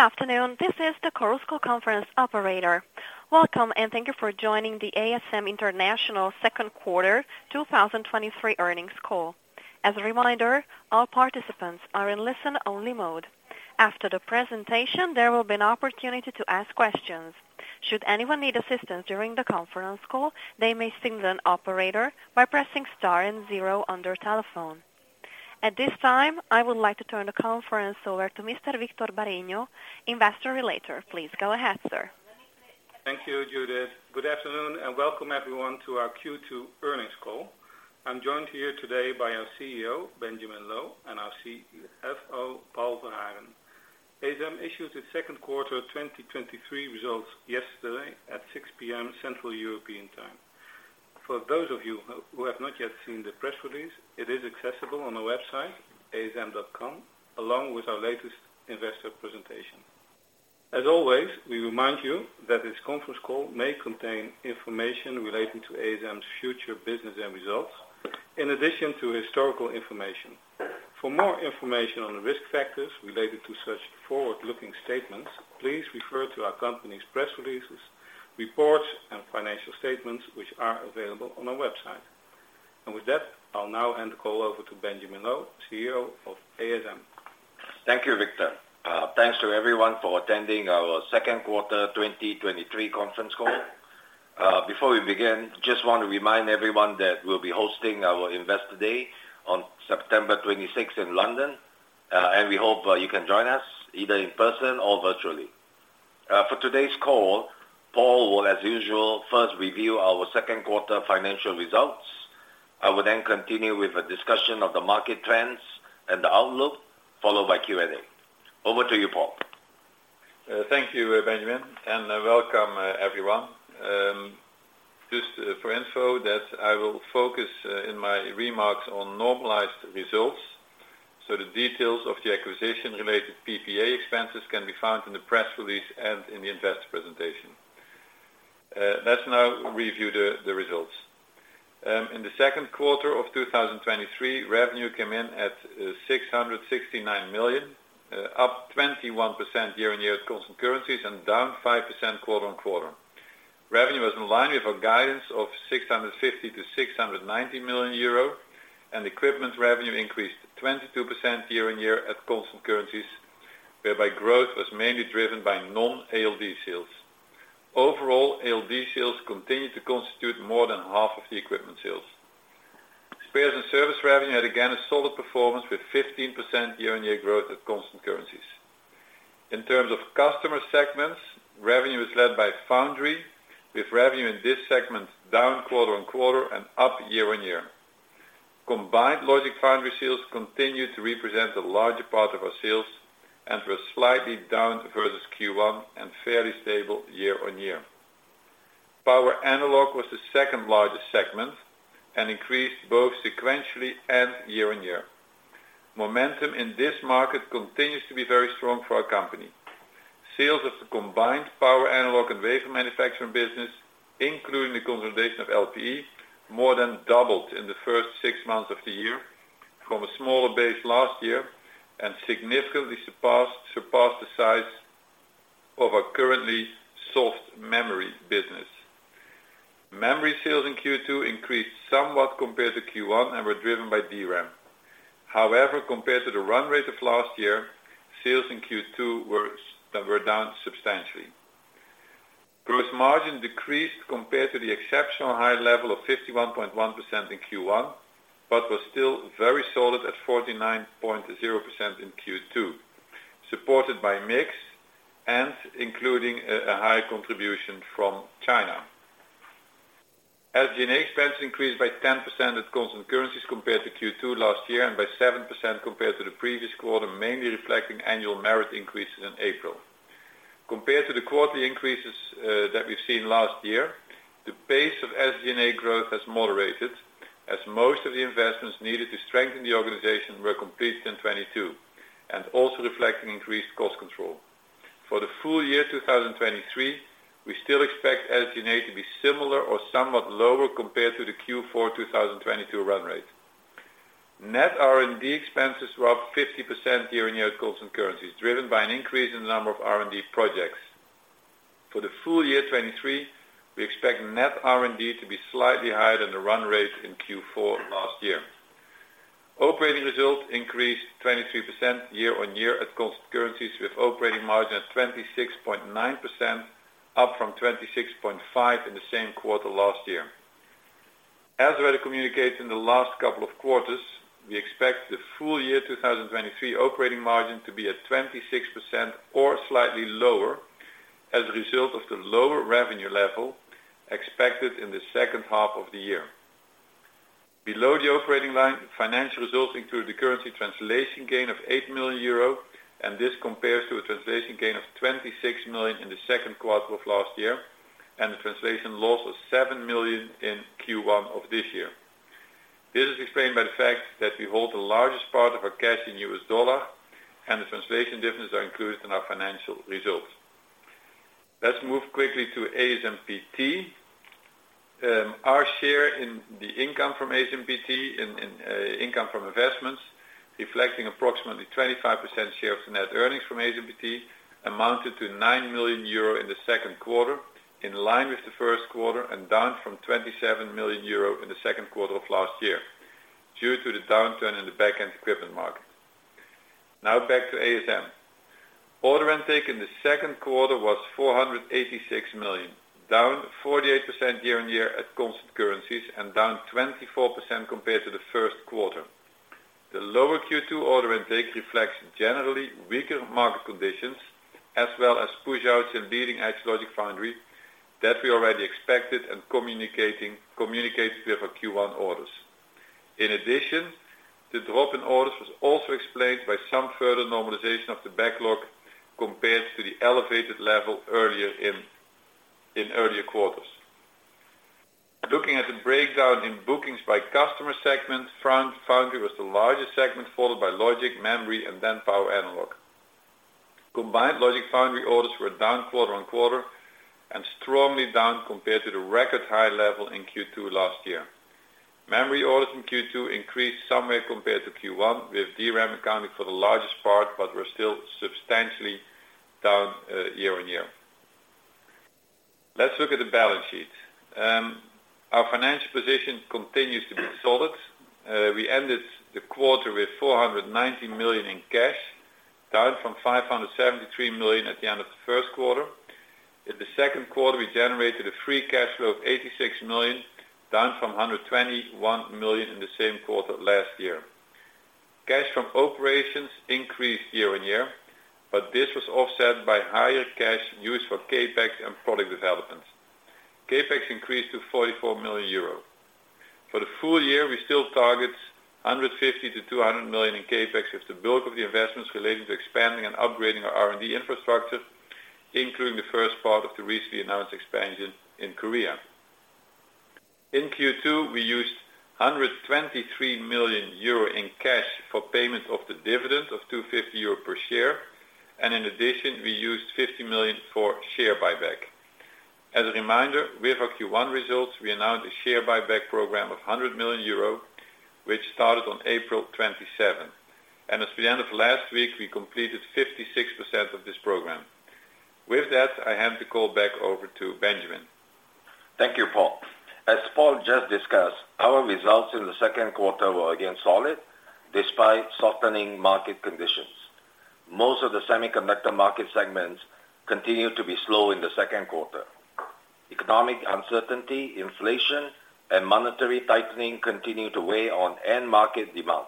Good afternoon. This is the Chorus Call Conference operator. Welcome, thank you for joining the ASM International Second Quarter 2023 Earnings Call. As a reminder, all participants are in listen-only mode. After the presentation, there will be an opportunity to ask questions. Should anyone need assistance during the conference call, they may signal an operator by pressing star and zero on their telephone. At this time, I would like to turn the conference over to Mr. Victor Bareño, Investor Relatons. Please go ahead, sir. Thank you, Judith. Welcome everyone to our Q2 earnings call. I'm joined here today by our CEO, Benjamin Loh, and our CFO, Paul Verhagen. ASM issued its second quarter 2023 results yesterday at 6:00 P.M., Central European time. For those of you who have not yet seen the press release, it is accessible on our website, asm.com, along with our latest investor presentation. As always, we remind you that this conference call may contain information relating to ASM's future business and results, in addition to historical information. For more information on the risk factors related to such forward-looking statements, please refer to our company's press releases, reports, and financial statements, which are available on our website. With that, I'll now hand the call over to Benjamin Loh, CEO of ASM. Thank you, Victor. Thanks to everyone for attending our second quarter 2023 conference call. Before we begin, just want to remind everyone that we'll be hosting our Investor Day on September 26th in London, and we hope you can join us either in person or virtually. For today's call, Paul will, as usual, first review our second quarter financial results. I will continue with a discussion of the market trends and the outlook, followed by Q&A. Over to you, Paul. Thank you, Benjamin, welcome everyone. Just for info, that I will focus in my remarks on normalized results, so the details of the acquisition-related PPA expenses can be found in the press release and in the investor presentation. Let's now review the results. In the second quarter of 2023, revenue came in at 669 million, up 21% year-on-year at constant currencies, and down 5% quarter-on-quarter. Revenue was in line with our guidance of 650 million-690 million euro, equipment revenue increased 22% year-on-year at constant currencies, whereby growth was mainly driven by non-ALD sales. Overall, ALD sales continued to constitute more than half of the equipment sales. Spares and service revenue had, again, a solid performance with 15% year-on-year growth at constant currencies. In terms of customer segments, revenue is led by foundry, with revenue in this segment down quarter-on-quarter and up year-on-year. Combined logic foundry sales continued to represent the larger part of our sales and were slightly down versus Q1, and fairly stable year-on-year. Power analog was the second largest segment and increased both sequentially and year-on-year. Momentum in this market continues to be very strong for our company. Sales of the combined power, analog, and wafer manufacturing business, including the consolidation of LPE, more than doubled in the first 6 months of the year from a smaller base last year, and significantly surpassed the size of our currently soft memory business. Memory sales in Q2 increased somewhat compared to Q1 and were driven by DRAM. However, compared to the run rate of last year, sales in Q2 were down substantially. Gross margin decreased compared to the exceptional high level of 51.1% in Q1, was still very solid at 49.0% in Q2, supported by mix and including a high contribution from China. SG&A expenses increased by 10% at constant currencies compared to Q2 last year, and by 7% compared to the previous quarter, mainly reflecting annual merit increases in April. Compared to the quarterly increases that we've seen last year, the pace of SG&A growth has moderated, as most of the investments needed to strengthen the organization were completed in 2022, and also reflecting increased cost control. For the full year 2023, we still expect SG&A to be similar or somewhat lower compared to the Q4 2022 run rate. Net R&D expenses were up 50% year-on-year at constant currencies, driven by an increase in the number of R&D projects. For the full year 2023, we expect net R&D to be slightly higher than the run rate in Q4 last year. Operating results increased 23% year-on-year at constant currencies, with operating margin at 26.9%, up from 26.5% in the same quarter last year. As already communicated in the last couple of quarters, we expect the full year 2023 operating margin to be at 26% or slightly lower, as a result of the lower revenue level expected in the second half of the year. Below the operating line, financial results include the currency translation gain of 8 million euro. This compares to a translation gain of 26 million in the second quarter of last year, the translation loss of 7 million in Q1 of this year. This is explained by the fact that we hold the largest part of our cash in U.S. dollar. The translation differences are included in our financial results. Let's move quickly to ASMPT. Our share in the income from ASMPT, income from investments, reflecting approximately 25% share of net earnings from ASMPT, amounted to 9 million euro in the second quarter, in line with the first quarter, down from 27 million euro in the second quarter of last year, due to the downturn in the back-end equipment market. Back to ASM. Order intake in the second quarter was 486 million, down 48% year-on-year at constant currencies, down 24% compared to the first quarter. The lower Q2 order intake reflects generally weaker market conditions, as well as pushouts in leading edge logic foundry, that we already expected and communicated with our Q1 orders. In addition, the drop in orders was also explained by some further normalization of the backlog compared to the elevated level in earlier quarters. Looking at the breakdown in bookings by customer segments, front foundry was the largest segment, followed by logic, memory, and then Power Analog. Combined logic foundry orders were down quarter-on-quarter and strongly down compared to the record high level in Q2 last year. Memory orders in Q2 increased somewhat compared to Q1, with DRAM accounting for the largest part, but were still substantially down year-on-year. Let's look at the balance sheet. Our financial position continues to be solid. We ended the quarter with 490 million in cash, down from 573 million at the end of the first quarter. In the second quarter, we generated a free cash flow of 86 million, down from 121 million in the same quarter last year. Cash from operations increased year-on-year, but this was offset by higher cash used for CapEx and product development. CapEx increased to 44 million euro. For the full year, we still target 150 million-200 million in CapEx, with the bulk of the investments relating to expanding and upgrading our R&D infrastructure, including the first part of the recently announced expansion in Korea. In Q2, we used 123 million euro in cash for payment of the dividend of 2.50 euro per share. In addition, we used 50 million for share buyback. As a reminder, with our Q1 results, we announced a share buyback program of 100 million euro, which started on April 27, and as the end of last week, we completed 56% of this program. With that, I hand the call back over to Benjamin. Thank you, Paul. As Paul just discussed, our results in the second quarter were again solid, despite softening market conditions. Most of the semiconductor market segments continued to be slow in the second quarter. Economic uncertainty, inflation, and monetary tightening continued to weigh on end market demand.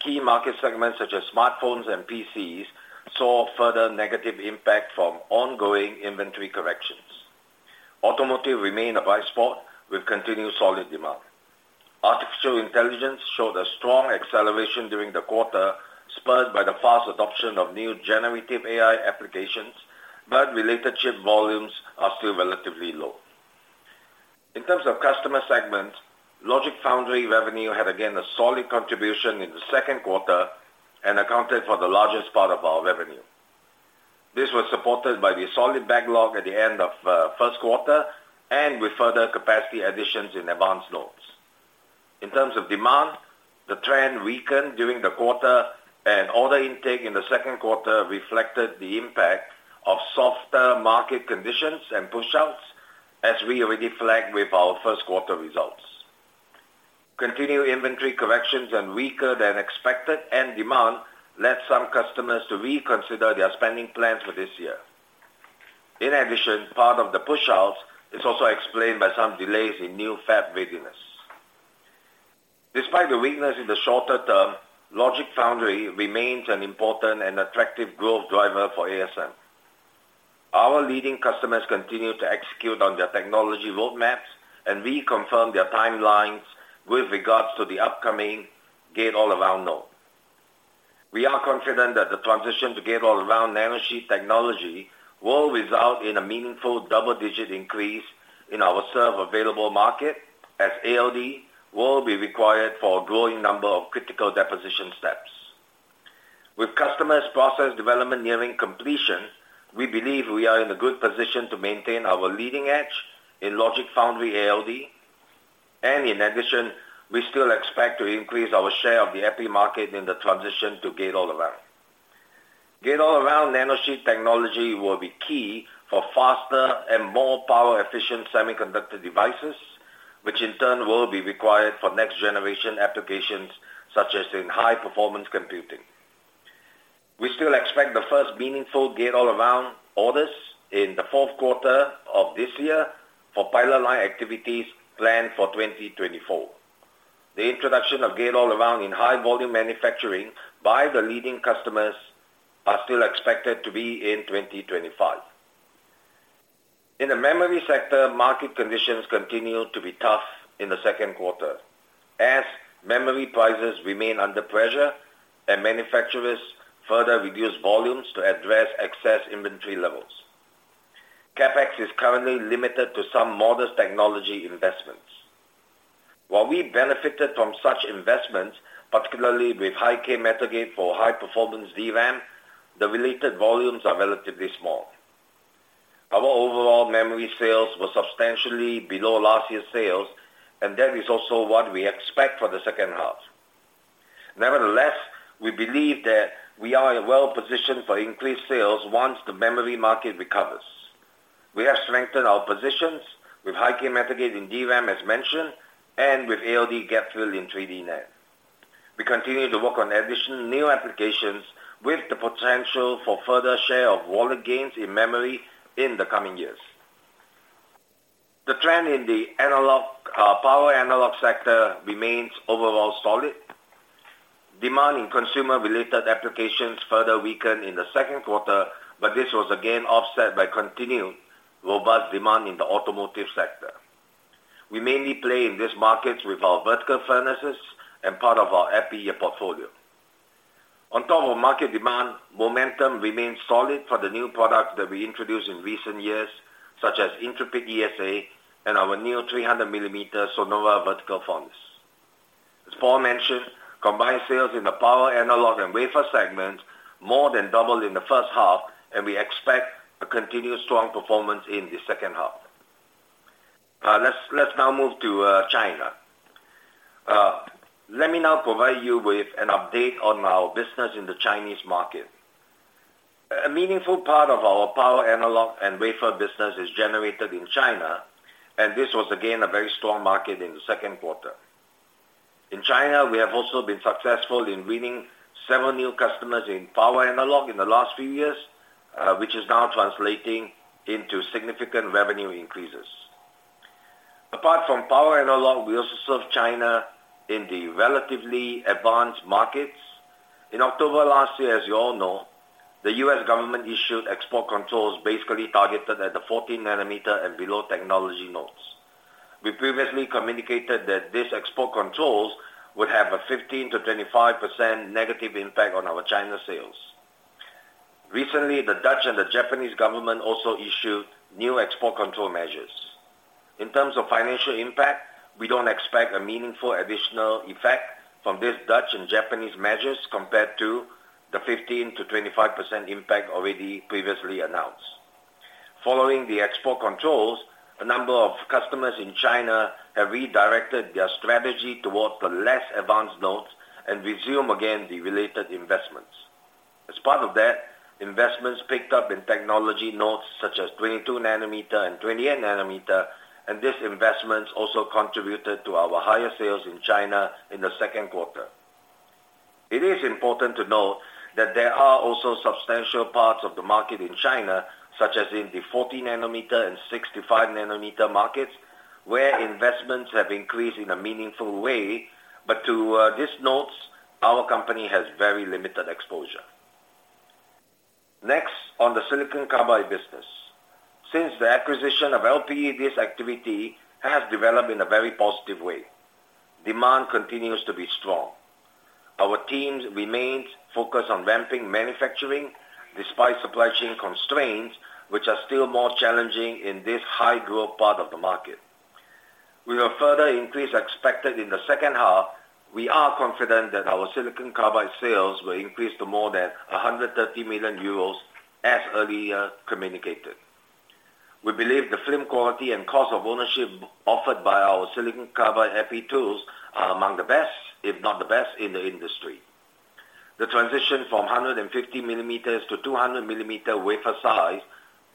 Key market segments such as smartphones and PCs, saw further negative impact from ongoing inventory corrections. Automotive remained a bright spot with continued solid demand. Artificial intelligence showed a strong acceleration during the quarter, spurred by the fast adoption of new generative AI applications, but related chip volumes are still relatively low. In terms of customer segments, logic foundry revenue had, again, a solid contribution in the second quarter and accounted for the largest part of our revenue. This was supported by the solid backlog at the end of first quarter, and with further capacity additions in advanced nodes. In terms of demand, the trend weakened during the quarter, and order intake in the second quarter reflected the impact of softer market conditions and pushouts, as we already flagged with our first quarter results. Continued inventory corrections and weaker than expected, end demand, led some customers to reconsider their spending plans for this year. In addition, part of the pushouts is also explained by some delays in new fab readiness. Despite the weakness in the shorter term, logic foundry remains an important and attractive growth driver for ASM. Our leading customers continue to execute on their technology roadmaps and reconfirm their timelines with regards to the upcoming Gate-All-Around node. We are confident that the transition to Gate-All-Around nanosheet technology will result in a meaningful double-digit increase in our serve available market, as ALD will be required for a growing number of critical deposition steps. With customers' process development nearing completion, we believe we are in a good position to maintain our leading edge in logic foundry ALD. In addition, we still expect to increase our share of the epi market in the transition to Gate-All-Around. Gate-All-Around nanosheet technology will be key for faster and more power-efficient semiconductor devices, which in turn will be required for next-generation applications, such as in high-performance computing. We still expect the first meaningful Gate-All-Around orders in the 4th quarter of this year for pilot line activities planned for 2024. The introduction of Gate-All-Around in high-volume manufacturing by the leading customers are still expected to be in 2025. In the memory sector, market conditions continued to be tough in the second quarter, as memory prices remain under pressure and manufacturers further reduce volumes to address excess inventory levels. CapEx is currently limited to some modest technology investments. While we benefited from such investments, particularly with high-k metal gate for high-performance DRAM, the related volumes are relatively small. Our overall memory sales were substantially below last year's sales, and that is also what we expect for the second half. Nevertheless, we believe that we are well-positioned for increased sales once the memory market recovers. We have strengthened our positions with high-k metal gate in DRAM, as mentioned, and with ALD gap-fill in 3D NAND. We continue to work on additional new applications with the potential for further share of wallet gains in memory in the coming years. The trend in the analog, power analog sector remains overall solid. Demand in consumer-related applications further weakened in the second quarter, but this was again offset by continued robust demand in the automotive sector. We mainly play in these markets with our vertical furnaces and part of our EPI portfolio. On top of market demand, momentum remains solid for the new products that we introduced in recent years, such as Intrepid ESA and our new 300 millimeter SONORA vertical furnace. As Paul mentioned, combined sales in the power analog and wafer segments more than doubled in the first half, and we expect a continued strong performance in the second half. Let's now move to China. Let me now provide you with an update on our business in the Chinese market. A meaningful part of our power analog and wafer business is generated in China, and this was again a very strong market in the second quarter. In China, we have also been successful in winning several new customers in power analog in the last few years, which is now translating into significant revenue increases. Apart from power analog, we also serve China in the relatively advanced markets. In October last year, as you all know, the U.S. government issued export controls, basically targeted at the 14 nanometer and below technology nodes. We previously communicated that these export controls would have a 15%-25% negative impact on our China sales. Recently, the Dutch and the Japanese government also issued new export control measures. In terms of financial impact, we don't expect a meaningful additional effect from this Dutch and Japanese measures compared to the 15%-25% impact already previously announced. Following the export controls, a number of customers in China have redirected their strategy towards the less advanced nodes and resume again the related investments. Investments picked up in technology nodes such as 22 nanometer and 28 nanometer, and these investments also contributed to our higher sales in China in the second quarter. It is important to note that there are also substantial parts of the market in China, such as in the 40 nanometer and 65 nanometer markets, where investments have increased in a meaningful way, but to these nodes, our company has very limited exposure. On the silicon carbide business. Since the acquisition of LPE, this activity has developed in a very positive way. Demand continues to be strong. Our teams remains focused on ramping manufacturing despite supply chain constraints, which are still more challenging in this high-growth part of the market. With a further increase expected in the second half, we are confident that our silicon carbide sales will increase to more than 130 million euros as earlier communicated. We believe the film quality and cost of ownership offered by our silicon carbide EPI tools are among the best, if not the best, in the industry. The transition from 150 millimeters to 200 millimeter wafer size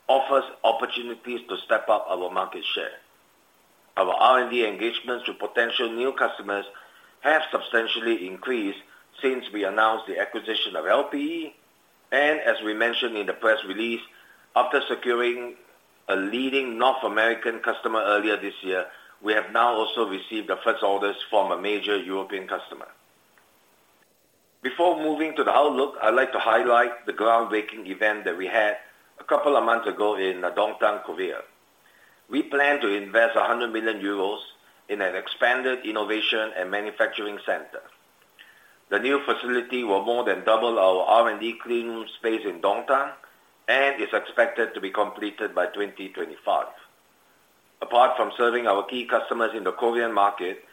offers opportunities to step up our market share. Our R&D engagements with potential new customers have substantially increased since we announced the acquisition of LPE, and as we mentioned in the press release, after securing a leading North American customer earlier this year, we have now also received the first orders from a major European customer. Before moving to the outlook, I'd like to highlight the groundbreaking event that we had a couple of months ago in Dongtan, Korea. We plan to invest 100 million euros in an expanded innovation and manufacturing center. The new facility will more than double our R&D clean room space in Dongtan and is expected to be completed by 2025. Apart from serving our key customers in the Korean market,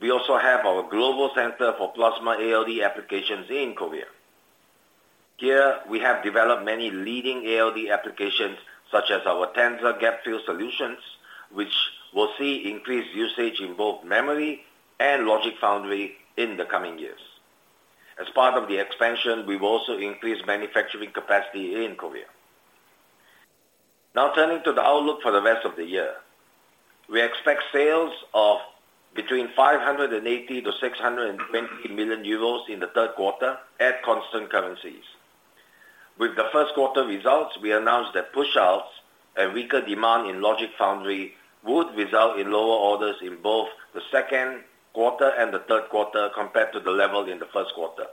we also have our global center for plasma ALD applications in Korea. Here, we have developed many leading ALD applications, such as our TENZA Gapfill solutions, which will see increased usage in both memory and logic foundry in the coming years. As part of the expansion, we've also increased manufacturing capacity in Korea. Turning to the outlook for the rest of the year. We expect sales of between 580 million-620 million euros in the third quarter at constant currencies. With the first quarter results, we announced that pushouts and weaker demand in logic foundry would result in lower orders in both the second quarter and the third quarter compared to the level in the first quarter.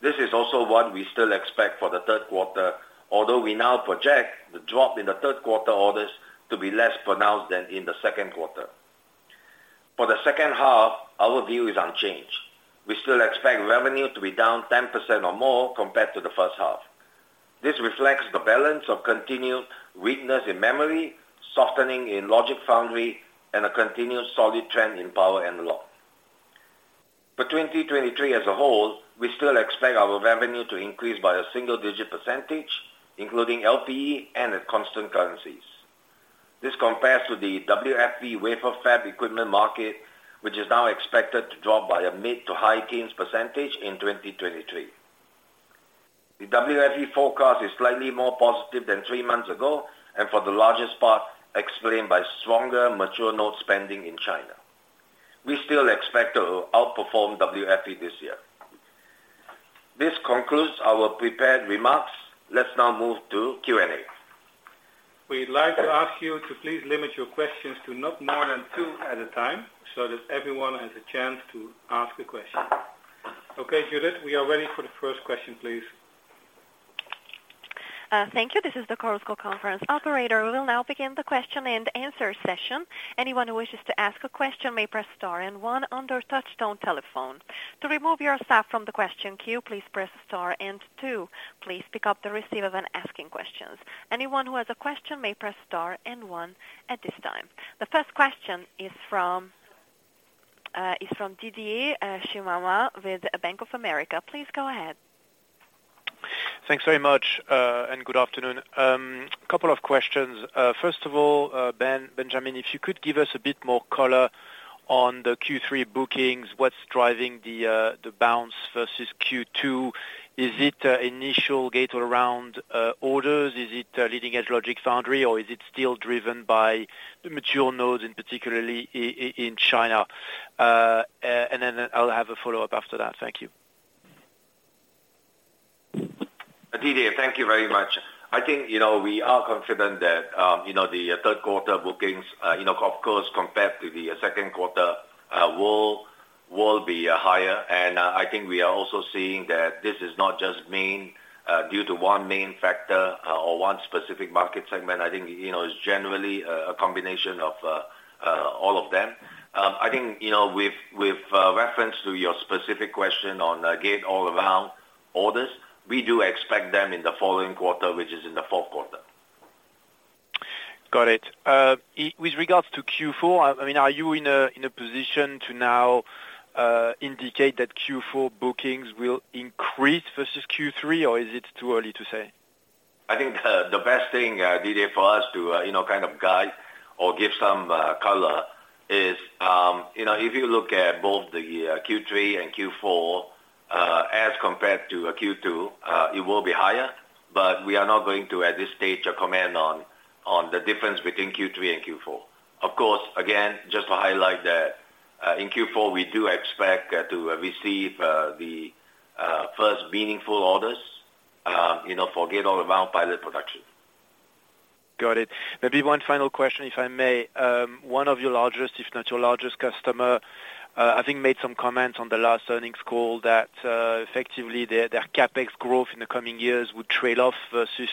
This is also what we still expect for the third quarter, although we now project the drop in the third quarter orders to be less pronounced than in the second quarter. For the second half, our view is unchanged. We still expect revenue to be down 10% or more compared to the first half....This reflects the balance of continued weakness in memory, softening in logic foundry, and a continuous solid trend in power analog. For 2023 as a whole, we still expect our revenue to increase by a single-digit percentage, including LPE and at constant currencies. This compares to the WFE wafer fab equipment market, which is now expected to drop by a mid-to-high teens % in 2023. The WFE forecast is slightly more positive than 3 months ago, and for the largest part, explained by stronger mature node spending in China. We still expect to outperform WFE this year. This concludes our prepared remarks. Let's now move to Q&A. We'd like to ask you to please limit your questions to not more than 2 at a time, so that everyone has a chance to ask a question. Okay, Judith, we are ready for the first question, please. Thank you. This is the Chorus Call conference operator. We will now begin the question-and-answer session. Anyone who wishes to ask a question may press Star and One on their touchtone telephone. To remove yourself from the question queue, please press Star and Two. Please pick up the receiver when asking questions. Anyone who has a question may press Star and One at this time. The first question is from Didier Scemama, with Bank of America. Please go ahead. Thanks very much. Good afternoon. Couple of questions. First of all, Benjamin, if you could give us a bit more color on the Q3 bookings, what's driving the bounce versus Q2? Is it initial Gate-All-Around orders? Is it leading-edge logic foundry, or is it still driven by the mature nodes, and particularly in China? Then I'll have a follow-up after that. Thank you. Didier, thank you very much. I think, you know, we are confident that, you know, the third quarter bookings, you know, of course, compared to the second quarter, will be higher. I think we are also seeing that this is not just main, due to one main factor, or one specific market segment. I think, you know, it's generally, a combination of, all of them. I think, you know, with reference to your specific question on Gate-All-Around orders, we do expect them in the following quarter, which is in the fourth quarter. Got it. With regards to Q4, I mean, are you in a position to now indicate that Q4 bookings will increase versus Q3, or is it too early to say? I think, the best thing, Didier, for us to, you know, kind of guide or give some color is, you know, if you look at both the Q3 and Q4, as compared to Q2, it will be higher, but we are not going to, at this stage, comment on the difference between Q3 and Q4. Of course, again, just to highlight that, in Q4, we do expect, to receive, the, first meaningful orders, you know, for Gate-All-Around pilot production. Got it. Maybe one final question, if I may. one of your largest, if not your largest customer, I think, made some comments on the last earnings call that, effectively, their CapEx growth in the coming years would trail off versus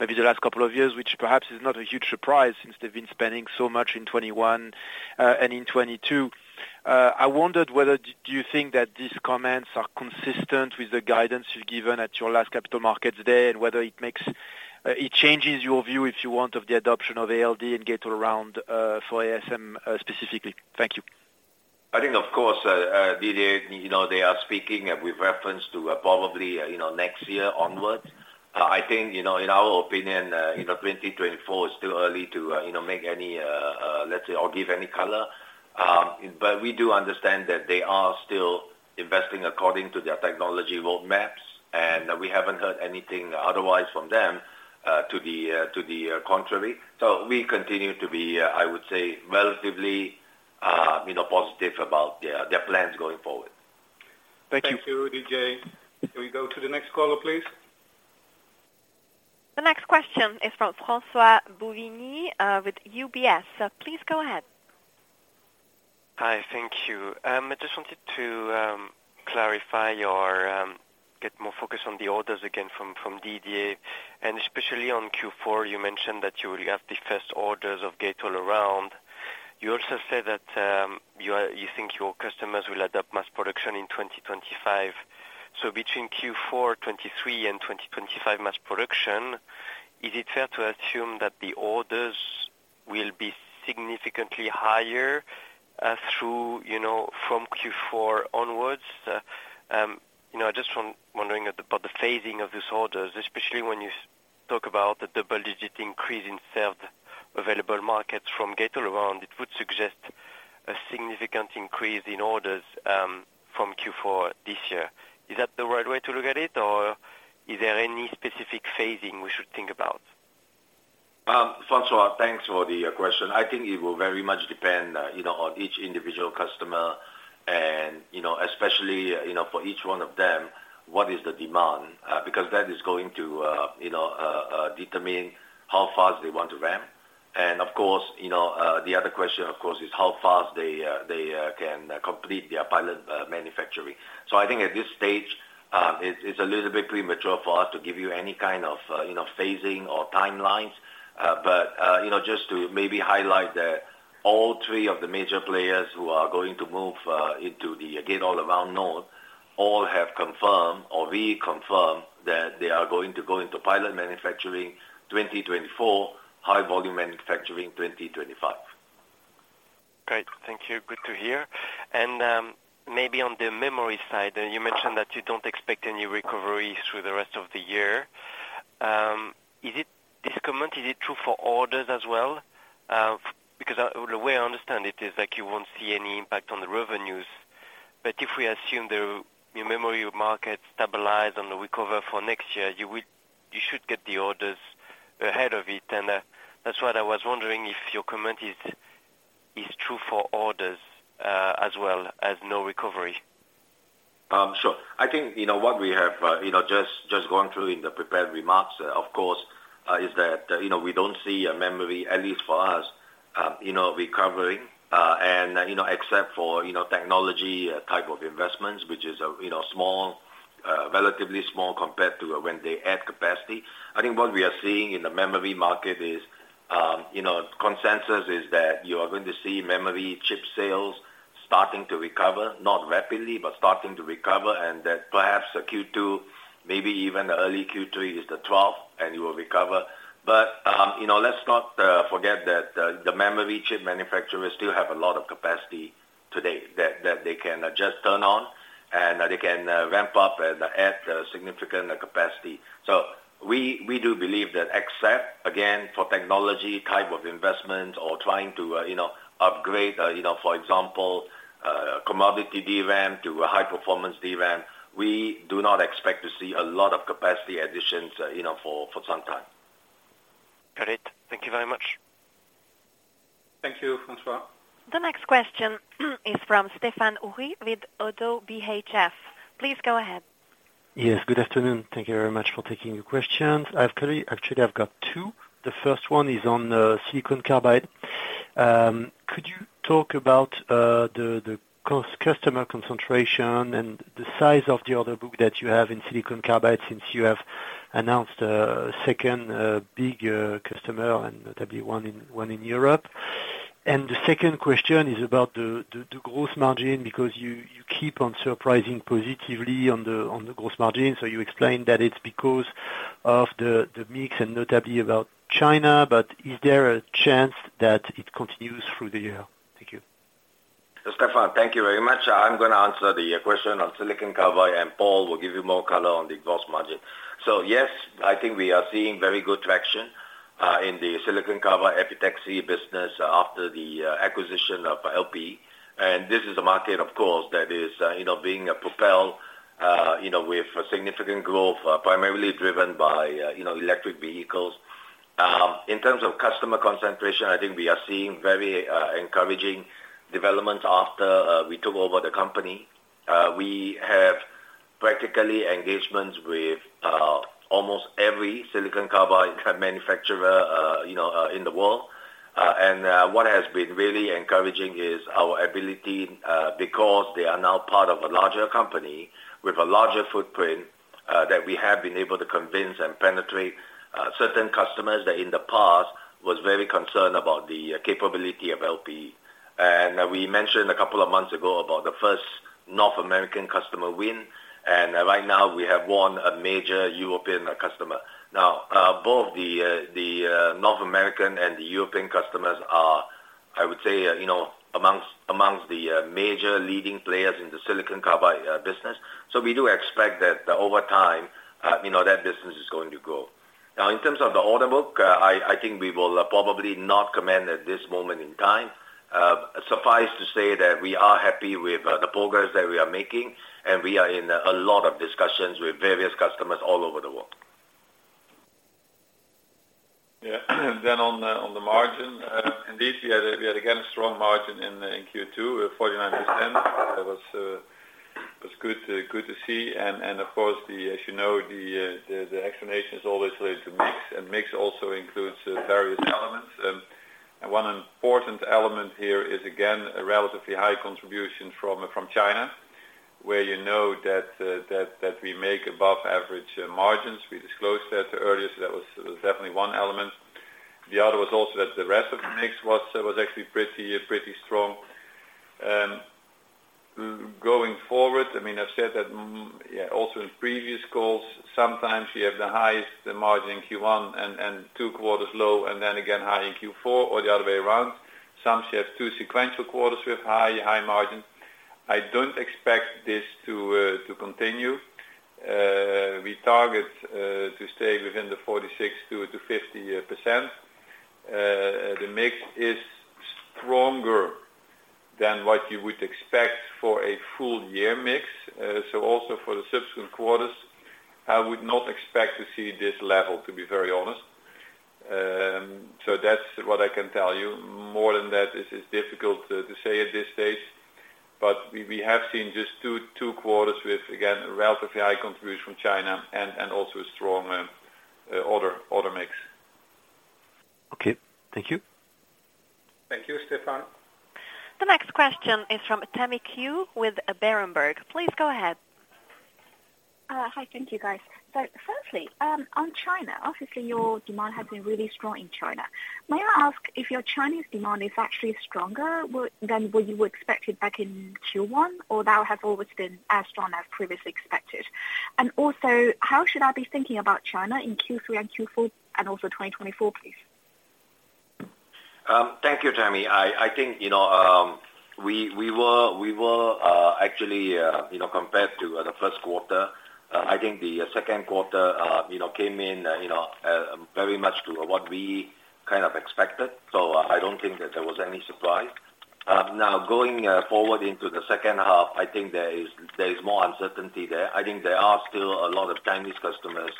maybe the last couple of years, which perhaps is not a huge surprise since they've been spending so much in 2021, and in 2022. I wondered whether do you think that these comments are consistent with the guidance you've given at your last Capital Markets Day, and whether it makes, it changes your view, if you want, of the adoption of ALD and Gate-All-Around, for ASM, specifically? Thank you. I think, of course, Didier, you know, they are speaking with reference to, probably, you know, next year onwards. I think, you know, in our opinion, you know, 2024 is still early to, you know, make any, let's say, or give any color. But we do understand that they are still investing according to their technology roadmaps, and we haven't heard anything otherwise from them, to the contrary. We continue to be, I would say, relatively, you know, positive about their plans going forward. Thank you. Thank you, Didier. Can we go to the next caller, please? The next question is from François Bouvignies, with UBS. Please go ahead. Hi, thank you. I just wanted to clarify your get more focus on the orders again from Didier, especially on Q4, you mentioned that you will have the first orders of Gate-All-Around. You also said that you think your customers will adopt mass production in 2025. Between Q4 2023 and 2025 mass production, is it fair to assume that the orders will be significantly higher, through, you know, from Q4 onwards? You know, I just wondering about the phasing of these orders, especially when you talk about the double-digit increase in served available markets from Gate-All-Around, it would suggest a significant increase in orders from Q4 this year. Is that the right way to look at it, or is there any specific phasing we should think about? Francois, thanks for the question. I think it will very much depend, you know, on each individual customer and, you know, especially, you know, for each one of them, what is the demand? Because that is going to, you know, determine how fast they want to ramp. Of course, you know, the other question, of course, is how fast they can complete their pilot manufacturing. I think at this stage, it's a little bit premature for us to give you any kind of phasing or timelines. You know, just to maybe highlight that all three of the major players who are going to move into the Gate-All-Around node, all have confirmed or reconfirmed that they are going to go into pilot manufacturing 2024, high volume manufacturing, 2025. Great. Thank you. Good to hear. Maybe on the memory side, you mentioned that you don't expect any recovery through the rest of the year. Is it, this comment, is it true for orders as well? Because the way I understand it is like you won't see any impact on the revenues. If we assume the memory market stabilize and recover for next year, you should get the orders ahead of it. That's what I was wondering, if your comment is true for orders as well as no recovery. Sure. I think, you know, what we have, you know, just going through in the prepared remarks, of course, is that, you know, we don't see a memory, at least for us, you know, recovering. Except for, you know, technology type of investments, which is a, you know, relatively small compared to when they add capacity. I think what we are seeing in the memory market is, you know, consensus is that you are going to see memory chip sales starting to recover, not rapidly, but starting to recover, and that perhaps Q2, maybe even early Q3, is the trough, and it will recover. You know, let's not forget that the memory chip manufacturers still have a lot of capacity today, that they can just turn on, and they can ramp up and add significant capacity. We do believe that except, again, for technology type of investment or trying to, you know, upgrade, you know, for example, commodity DRAM to a high performance DRAM, we do not expect to see a lot of capacity additions, you know, for some time. Got it. Thank you very much. Thank you, Francois. The next question, is from Stephane Houri, with ODDO BHF. Please go ahead. Yes, good afternoon. Thank you very much for taking the questions. I've actually, I've got two. The first one is on silicon carbide. Could you talk about the customer concentration and the size of the order book that you have in silicon carbide, since you have announced second big customer and notably, one in Europe? The second question is about the gross margin, because you keep on surprising positively on the gross margin. You explained that it's because of the mix and notably about China, is there a chance that it continues through the year? Thank you. Stephane, thank you very much. I'm gonna answer the question on silicon carbide. Paul will give you more color on the gross margin. Yes, I think we are seeing very good traction in the silicon carbide epitaxy business after the acquisition of LPE. This is a market, of course, that is, you know, being propelled, you know, with significant growth, primarily driven by, you know, electric vehicles. In terms of customer concentration, I think we are seeing very encouraging developments after we took over the company. We have practically engagements with almost every silicon carbide manufacturer, you know, in the world. been really encouraging is our ability because they are now part of a larger company with a larger footprint that we have been able to convince and penetrate certain customers that in the past was very concerned about the capability of LPE. We mentioned a couple of months ago about the first North American customer win. Right now we have won a major European customer. Both the North American and the European customers are, I would say, you know, amongst the major leading players in the silicon carbide business. We do expect that over time, you know, that business is going to grow. In terms of the order book, I think we will probably not comment at this moment in time. Suffice to say that we are happy with the progress that we are making, and we are in a lot of discussions with various customers all over the world. Then on the margin, indeed, we had again a strong margin in Q2, 49%. That was good to see. Of course, as you know, the explanation is always related to mix, and mix also includes various elements. One important element here is again a relatively high contribution from China, where you know that we make above average margins. We disclosed that earlier, so that was definitely one element. The other was also that the rest of the mix was actually pretty strong. Going forward, I mean, I've said that, yeah, also in previous calls, sometimes you have the highest margin in Q1 and 2 quarters low, and then again, high in Q4, or the other way around. Sometimes you have 2 sequential quarters with high margins. I don't expect this to continue. We target to stay within the 46%-50%. The mix is stronger than what you would expect for a full year mix. Also for the subsequent quarters, I would not expect to see this level, to be very honest. That's what I can tell you. More than that, it is difficult to say at this stage, but we have seen just 2 quarters with, again, a relatively high contribution from China and also a strong. Okay, thank you. Thank you, Stephane. The next question is from Tammy Qiu with Berenberg. Please go ahead. Hi. Thank you, guys. Firstly, on China, obviously, your demand has been really strong in China. May I ask if your Chinese demand is actually stronger than what you expected back in Q1, or that has always been as strong as previously expected? Also, how should I be thinking about China in Q3 and Q4 and also 2024, please? Thank you, Tammy. I think, you know, we were actually, you know, compared to the first quarter, I think the second quarter, you know, came in, you know, very much to what we kind of expected, so I don't think that there was any surprise. Now, going forward into the second half, I think there is more uncertainty there. I think there are still a lot of Chinese customers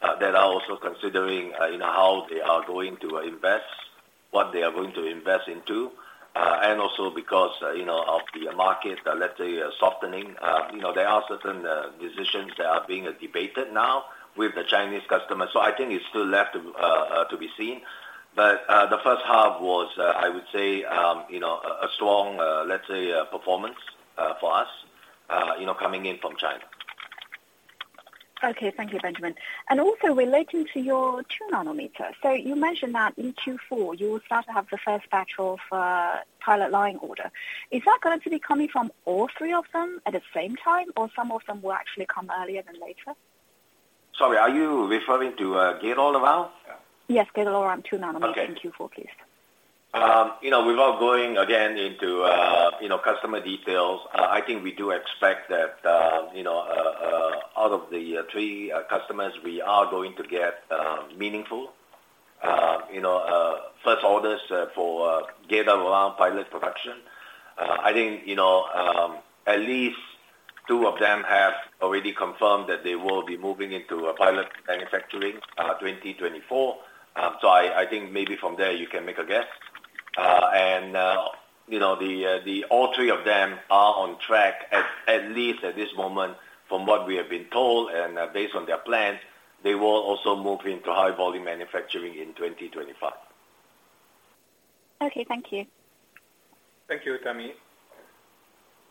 that are also considering, you know, how they are going to invest, what they are going to invest into, and also because, you know, of the market, let's say, softening. You know, there are certain decisions that are being debated now with the Chinese customers. I think it's still left to be seen. The first half was, I would say, you know, a strong, let's say, performance, for us, you know, coming in from China. Okay. Thank you, Benjamin. Also relating to your 2 nanometer. You mentioned that in Q4, you will start to have the first batch of pilot line order. Is that going to be coming from all 3 of them at the same time, or some of them will actually come earlier than later? Sorry, are you referring to, Gate-All-Around? Yes, Gate-All-Around, 2 nanometer- Okay. In Q4, please. you know, without going again into, you know, customer details, I think we do expect that, you know, out of the three customers, we are going to get meaningful, you know, first orders for Gate-All-Around pilot production. I think, you know, at least two of them have already confirmed that they will be moving into a pilot manufacturing 2024. I think maybe from there you can make a guess. you know, the all three of them are on track, at least at this moment, from what we have been told, and based on their plans, they will also move into high volume manufacturing in 2025. Okay, thank you. Thank you, Tammy.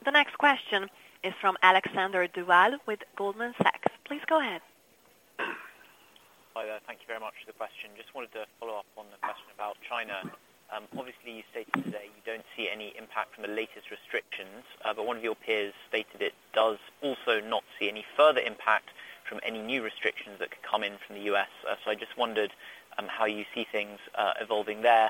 The next question is from Alexander Duval with Goldman Sachs. Please go ahead. Hi, there. Thank you very much for the question. Just wanted to follow up on the question about China. Obviously, you stated today you don't see any impact from the latest restrictions, one of your peers stated it does also not see any further impact from any new restrictions that could come in from the U.S. I just wondered how you see things evolving there.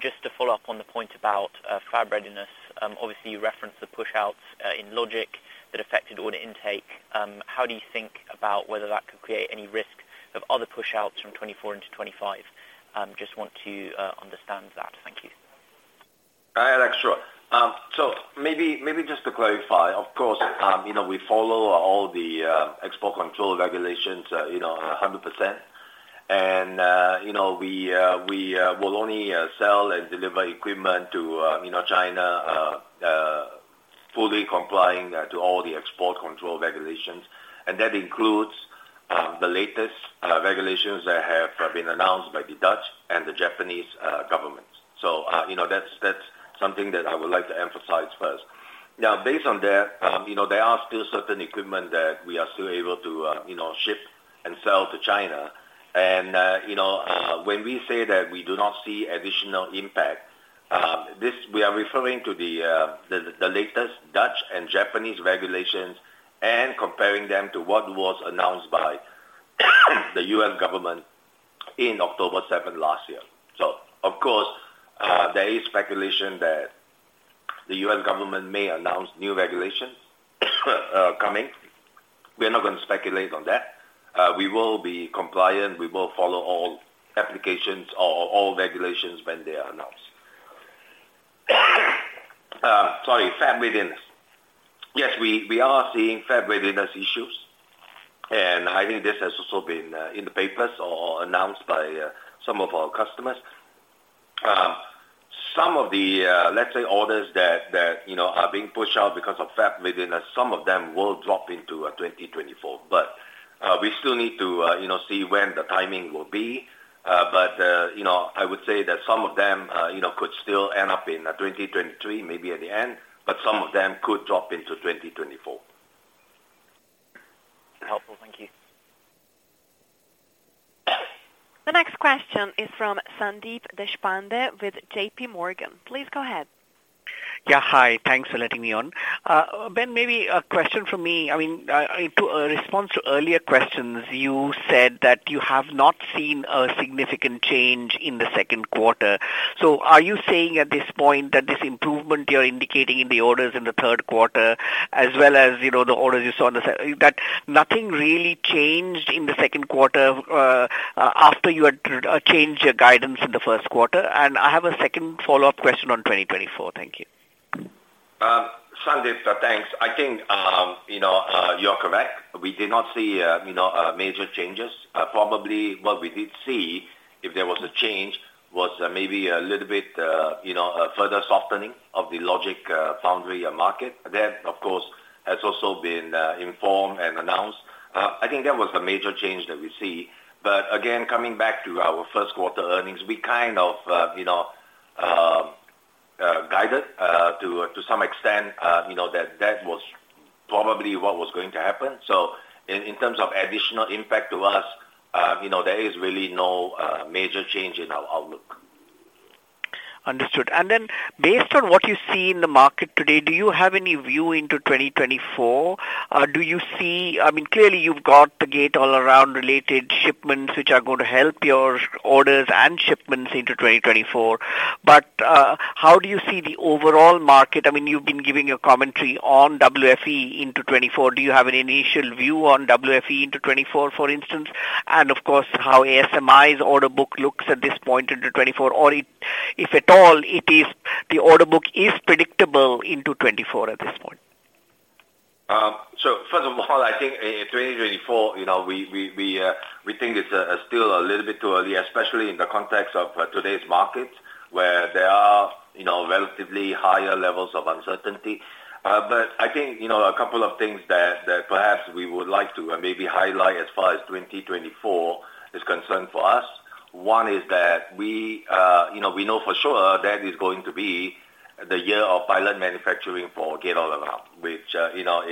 Just to follow up on the point about fab readiness, obviously, you referenced the push outs in logic that affected order intake. How do you think about whether that could create any risk of other push outs from 2024 into 2025? Just want to understand that. Thank you. Hi, Alex. Sure. Maybe just to clarify, of course, you know, we follow all the export control regulations, you know, 100%. You know, we will only sell and deliver equipment to, you know, China, fully complying to all the export control regulations, and that includes the latest regulations that have been announced by the Dutch and the Japanese governments. You know, that's something that I would like to emphasize first. Now, based on that, you know, there are still certain equipment that we are still able to, you know, ship and sell to China. You know, when we do not see additional impact, we are referring to the latest Dutch and Japanese regulations and comparing them to what was announced by the U.S. government in October 7th last year. Of course, there is speculation that the U.S. government may announce new regulations coming. We are not gonna speculate on that. We will be compliant. We will follow all applications or all regulations when they are announced. Sorry, fab readiness. Yes, we are seeing fab readiness issues, and I think this has also been in the papers or announced by some of our customers. Some of the, let's say, orders that, you know, are being pushed out because of fab readiness, some of them will drop into 2024. We still need to, you know, see when the timing will be. You know, I would say that some of them, you know, could still end up in 2023, maybe at the end, but some of them could drop into 2024. Helpful. Thank you. The next question is from Sandeep Deshpande with J.P. Morgan. Please go ahead. Yeah, hi. Thanks for letting me on. Ben, maybe a question from me. I mean, in to a response to earlier questions, you said that you have not seen a significant change in the second quarter. Are you saying at this point that this improvement you're indicating in the orders in the third quarter as well as, you know, the orders you saw on the... That nothing really changed in the second quarter, after you had, changed your guidance in the first quarter? I have a second follow-up question on 2024. Thank you. Sandip, thanks. I think, you know, you're correct. We did not see, you know, major changes. Probably what we did see, if there was a change, was, maybe a little bit, you know, a further softening of the logic, foundry market. That, of course, has also been informed and announced. I think that was the major change that we see. Again, coming back to our first quarter earnings, we kind of, you know, guided, to some extent, you know, that that was probably what was going to happen. In terms of additional impact to us, you know, there is really no major change in our outlook. Understood. Based on what you see in the market today, do you have any view into 2024? Do you see I mean, clearly you've got the Gate-All-Around related shipments, which are going to help your orders and shipments into 2024. How do you see the overall market? I mean, you've been giving your commentary on WFE into 2024. Do you have an initial view on WFE into 2024, for instance, and of course, how ASM's order book looks at this point into 2024, or if at all, the order book is predictable into 2024 at this point? First of all, I think in 2024, you know, we think it's still a little bit too early, especially in the context of today's market, where there are, you know, relatively higher levels of uncertainty. I think, you know, a couple of things that perhaps we would like to maybe highlight as far as 2024 is concerned for us. One is that we, you know, we know for sure that is going to be the year of pilot manufacturing for Gate-All-Around, which, you know,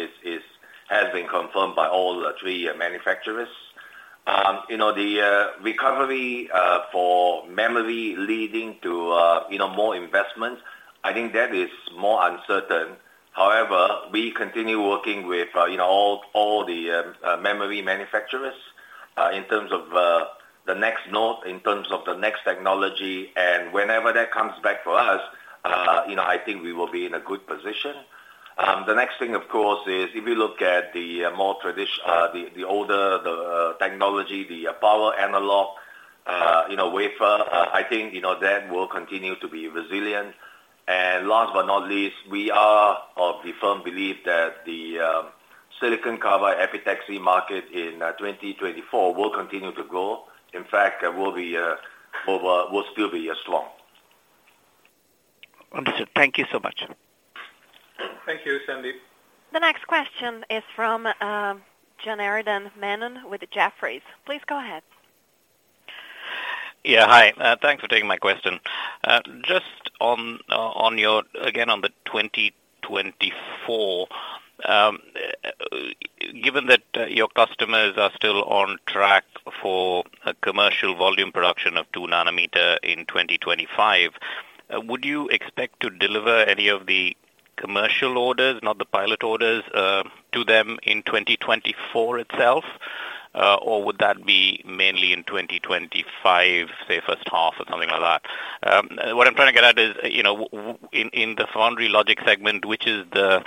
has been confirmed by all the three manufacturers. You know, the recovery for memory leading to, you know, more investment, I think that is more uncertain. However, we continue working with, you know, all the memory manufacturers, in terms of the next node, in terms of the next technology, and whenever that comes back for us, you know, I think we will be in a good position. The next thing, of course, is if you look at the older technology, the power analog wafer, I think, you know, that will continue to be resilient. Last but not least, we are of the firm belief that the silicon carbide epitaxy market in 2024 will continue to grow. In fact, will be, will still be strong. Understood. Thank you so much. Thank you, Sandeep. The next question is from Janardan Menon with Jefferies. Please go ahead. Yeah, hi. Thanks for taking my question. Just on again, on the 2024, given that your customers are still on track for a commercial volume production of 2 nanometer in 2025, would you expect to deliver any of the commercial orders, not the pilot orders, to them in 2024 itself? Would that be mainly in 2025, say, first half or something like that? What I'm trying to get at is, you know, in the foundry logic segment, which is the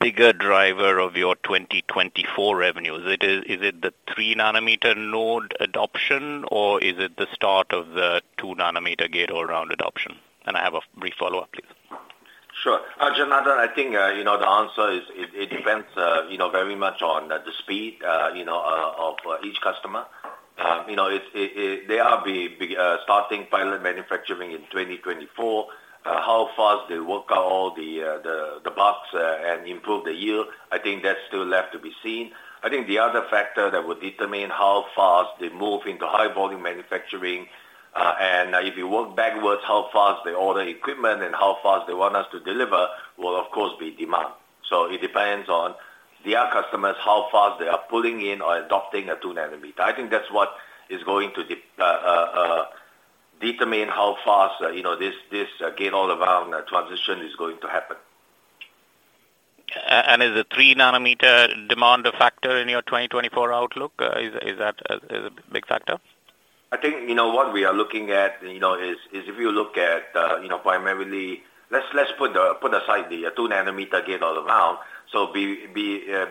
bigger driver of your 2024 revenue? Is it the 3 nanometer node adoption, or is it the start of the 2 nanometer Gate-All-Around adoption? I have a brief follow-up, please. Sure. Janardan, I think, you know, the answer is, it depends, you know, very much on the speed, you know, of each customer. You know, they are be starting pilot manufacturing in 2024. How fast they work out all the box and improve the yield, I think that's still left to be seen. I think the other factor that would determine how fast they move into high volume manufacturing, and if you work backwards, how fast they order equipment and how fast they want us to deliver, will of course, be demand. It depends on their customers, how fast they are pulling in or adopting a 2 nanometer. I think that's what is going to determine how fast, you know, this Gate-All-Around transition is going to happen. Is the 3 nanometer demand a factor in your 2024 outlook? Is that a big factor? I think, you know, what we are looking at, you know, is if you look at, you know, primarily. Let's put aside the 2 nanometer Gate-All-Around.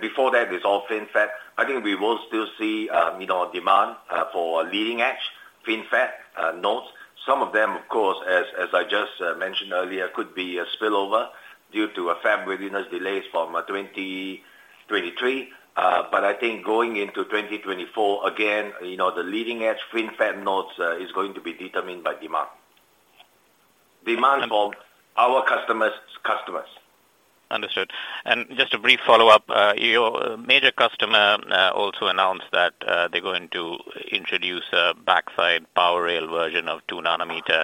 Before that, it's all FinFET. I think we will still see, you know, demand for leading-edge FinFET nodes. Some of them, of course, as I just mentioned earlier, could be a spillover due to a fab readiness delays from 2023. I think going into 2024, again, you know, the leading-edge FinFET nodes is going to be determined by demand. Demand from our customers. Understood. Just a brief follow-up, your major customer also announced that they're going to introduce a backside power rail version of 2 nanometer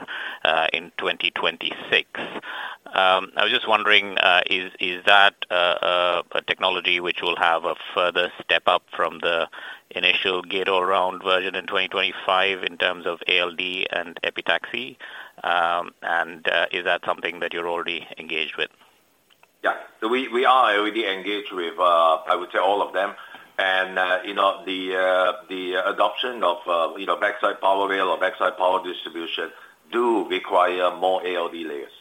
in 2026. I was just wondering, is that a technology which will have a further step up from the initial Gate-All-Around version in 2025 in terms of ALD and epitaxy? And is that something that you're already engaged with? Yeah. We are already engaged with, I would say all of them. You know, the adoption of, you know, backside power rail or backside power distribution do require more ALD layers.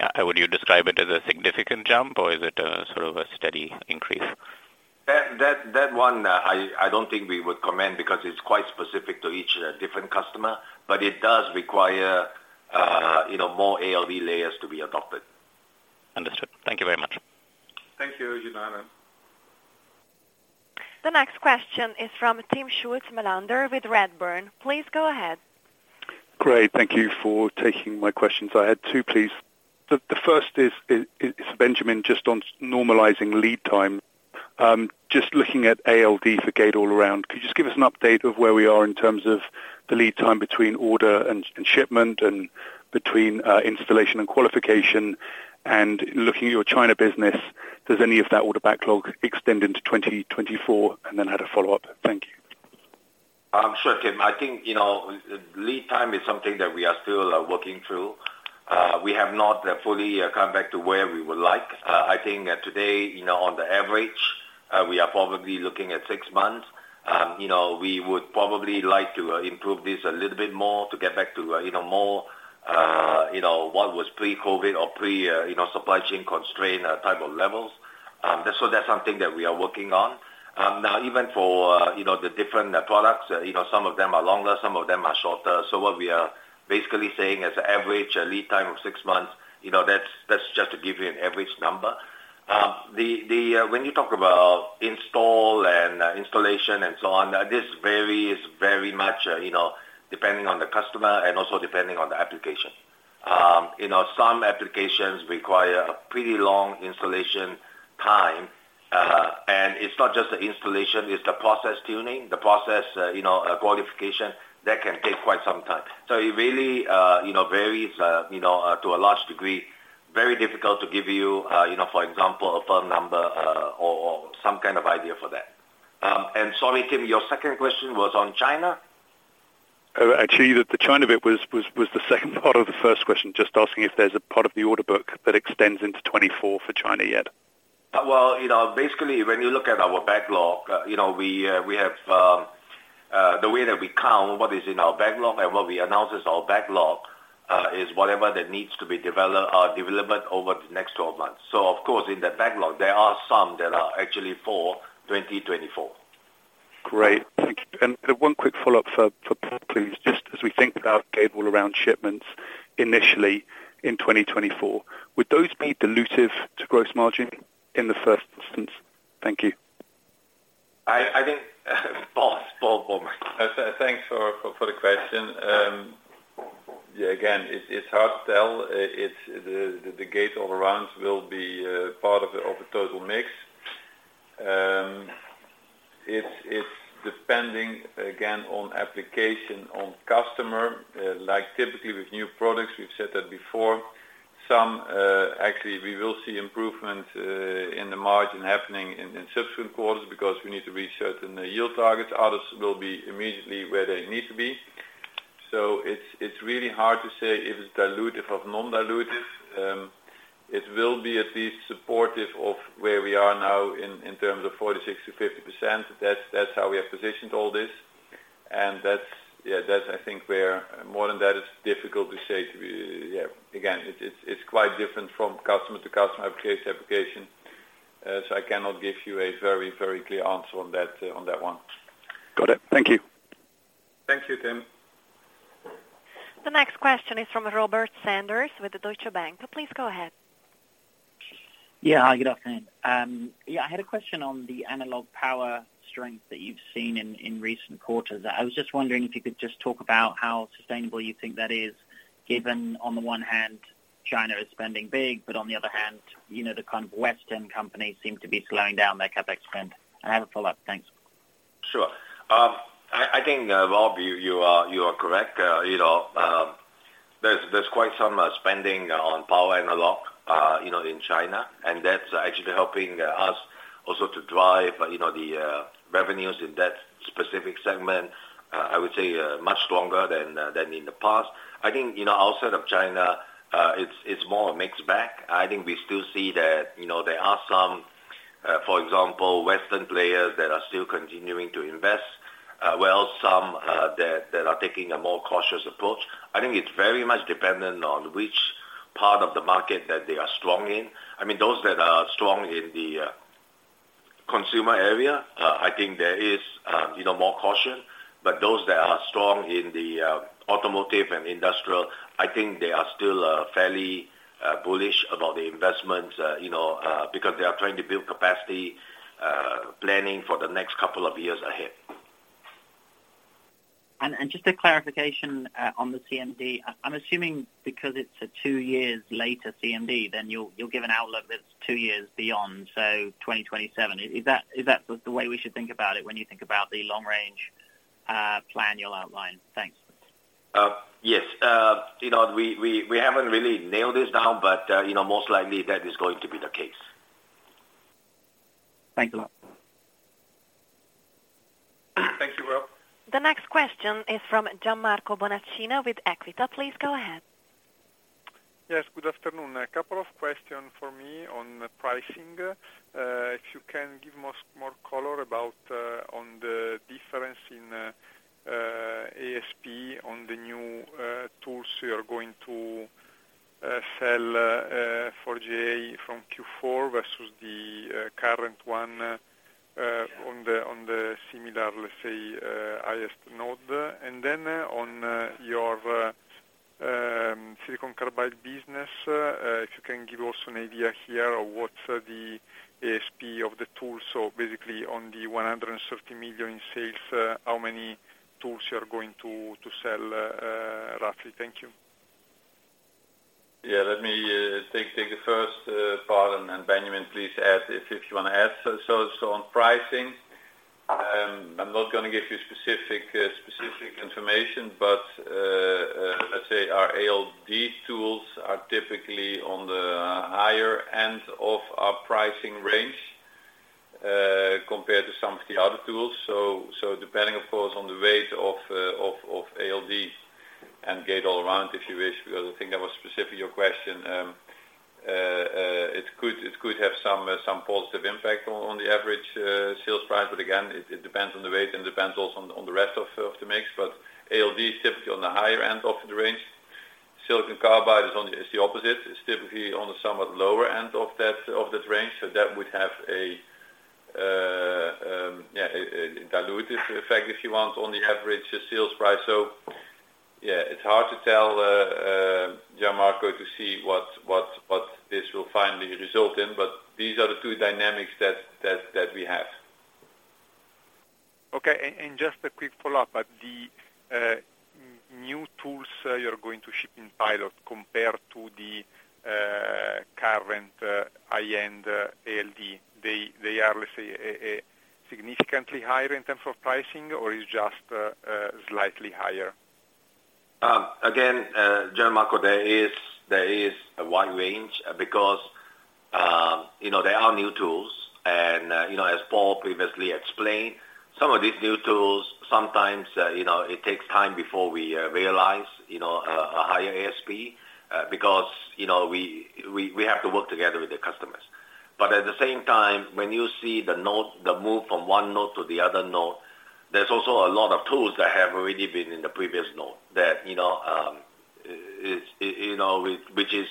Yeah. Would you describe it as a significant jump, or is it a sort of a steady increase? That one, I don't think we would comment, because it's quite specific to each different customer, but it does require, you know, more ALD layers to be adopted. Understood. Thank you very much. Thank you, Janardhan. The next question is from Timm Schulze-Melander with Redburn. Please go ahead. Great. Thank you for taking my questions. I had two, please. The first is Benjamin, just on normalizing lead time. Just looking at ALD for Gate-All-Around, could you just give us an update of where we are in terms of the lead time between order and shipment, and between installation and qualification? Looking at your China business, does any of that order backlog extend into 2024? I had a follow-up. Thank you. Sure, Timm. I think, you know, lead time is something that we are still working through. We have not fully come back to where we would like. I think today, you know, on the average, we are probably looking at 6 months. You know, we would probably like to improve this a little bit more to get back to, you know, more, you know, what was pre-COVID or pre, you know, supply chain constraint, type of levels. That's something that we are working on. Now, even for, you know, the different products, you know, some of them are longer, some of them are shorter. What we are basically saying is an average lead time of 6 months, you know, that's just to give you an average number. When you talk about install and installation and so on, this varies very much, you know, depending on the customer and also depending on the application. You know, some applications require a pretty long installation time. It's not just the installation, it's the process tuning, the process, you know, qualification, that can take quite some time. It really, you know, varies, you know, to a large degree. Very difficult to give you know, for example, a firm number or some kind of idea for that. Sorry, Tim, your second question was on China? Actually, the China bit was the second part of the first question, just asking if there's a part of the order book that extends into 2024 for China yet? Well, you know, basically, when you look at our backlog, you know, we have the way that we count what is in our backlog and what we announce as our backlog, is whatever that needs to be developed over the next 12 months. Of course, in that backlog, there are some that are actually for 2024. Great. Thank you. One quick follow-up for Paul, please. Just as we think about Gate-All-Around shipments initially in 2024, would those be dilutive to gross margin in the first instance? Thank you. I think, Paul, thanks for the question. Yeah, again, it's hard to tell. It's the Gate-All-Around will be part of the total mix. It's depending, again, on application, on customer, like, typically with new products, we've said that before. Some, actually, we will see improvement in the margin happening in subsequent quarters because we need to reach certain yield targets. Others will be immediately where they need to be. It's really hard to say if it's dilutive of nondilutive. It will be at least supportive of where we are now in terms of 46%-50%. That's how we have positioned all this. That's, yeah, that's, I think, where more than that, it's difficult to say. Yeah, again, it's quite different from customer to customer use application. I cannot give you a very clear answer on that, on that one. Got it. Thank you. Thank you, Tim. The next question is from Robert Sanders with Deutsche Bank. Please go ahead. Hi, good afternoon. I had a question on the analog power strength that you've seen in recent quarters. I was just wondering if you could just talk about how sustainable you think that is, given, on the one hand, China is spending big, on the other hand, you know, the kind of Western companies seem to be slowing down their CapEx spend. I have a follow-up. Thanks. Sure. I think, Rob, you are correct. You know, there's quite some spending on power analog, you know, in China, and that's actually helping us also to drive, you know, the revenues in that specific segment, I would say, much stronger than in the past. I think, you know, outside of China, it's more a mixed bag. I think we still see that, you know, there are some, for example, Western players that are still continuing to invest, well, some that are taking a more cautious approach. I think it's very much dependent on which part of the market that they are strong in. I mean, those that are strong in the consumer area, I think there is, you know, more caution. Those that are strong in the automotive and industrial, I think they are still fairly bullish about the investment, you know, because they are trying to build capacity, planning for the next couple of years ahead. Just a clarification on the CMD. I'm assuming because it's a two years later CMD, then you'll give an outlook that's two years beyond, so 2027. Is that the way we should think about it when you think about the long-range plan you'll outline? Thanks. Yes. You know, we haven't really nailed this down, but, you know, most likely that is going to be the case. Thanks a lot. Thank you, Rob. The next question is from Gianmarco Bonacina with Equita. Please go ahead. Yes, good afternoon. A couple of questions for me on pricing. If you can give more color about on the difference in ASP on the new tools you are going to sell for GA from Q4 versus the current one on the similar, let's say, highest node. On your silicon carbide business, if you can give us an idea here of what's the ASP of the tools. Basically, on the 130 million in sales, how many tools you are going to sell roughly? Thank you. Yeah, let me take the first part, and then Benjamin, please add if you want to add. On pricing, I'm not gonna give you specific information, but let's say our ALD tools are typically on the higher end of our pricing range compared to some of the other tools. Depending, of course, on the weight of ALD and Gate-All-Around, if you wish, because I think that was specifically your question. It could have some positive impact on the average sales price, but again, it depends on the weight, and it depends also on the rest of the mix. ALD is typically on the higher end of the range. silicon carbide is the opposite. It's typically on the somewhat lower end of that, of that range. That would have a, yeah, a dilutive effect, if you want, on the average sales price. Yeah, it's hard to tell, Gianmarco, to see what this will finally result in, but these are the two dynamics that we have. Okay. Just a quick follow-up, but the new tools you're going to ship in pilot compared to the current high-end ALD, they are, let's say, a significantly higher in terms of pricing, or is just slightly higher? Again, Gianmarco, there is a wide range because, you know, they are new tools. As Paul previously explained, some of these new tools, sometimes, you know, it takes time before we realize, you know, a higher ASP, because, you know, we have to work together with the customers. At the same time, when you see the node, the move from one node to the other node, there's also a lot of tools that have already been in the previous node that, you know, is, you know, which is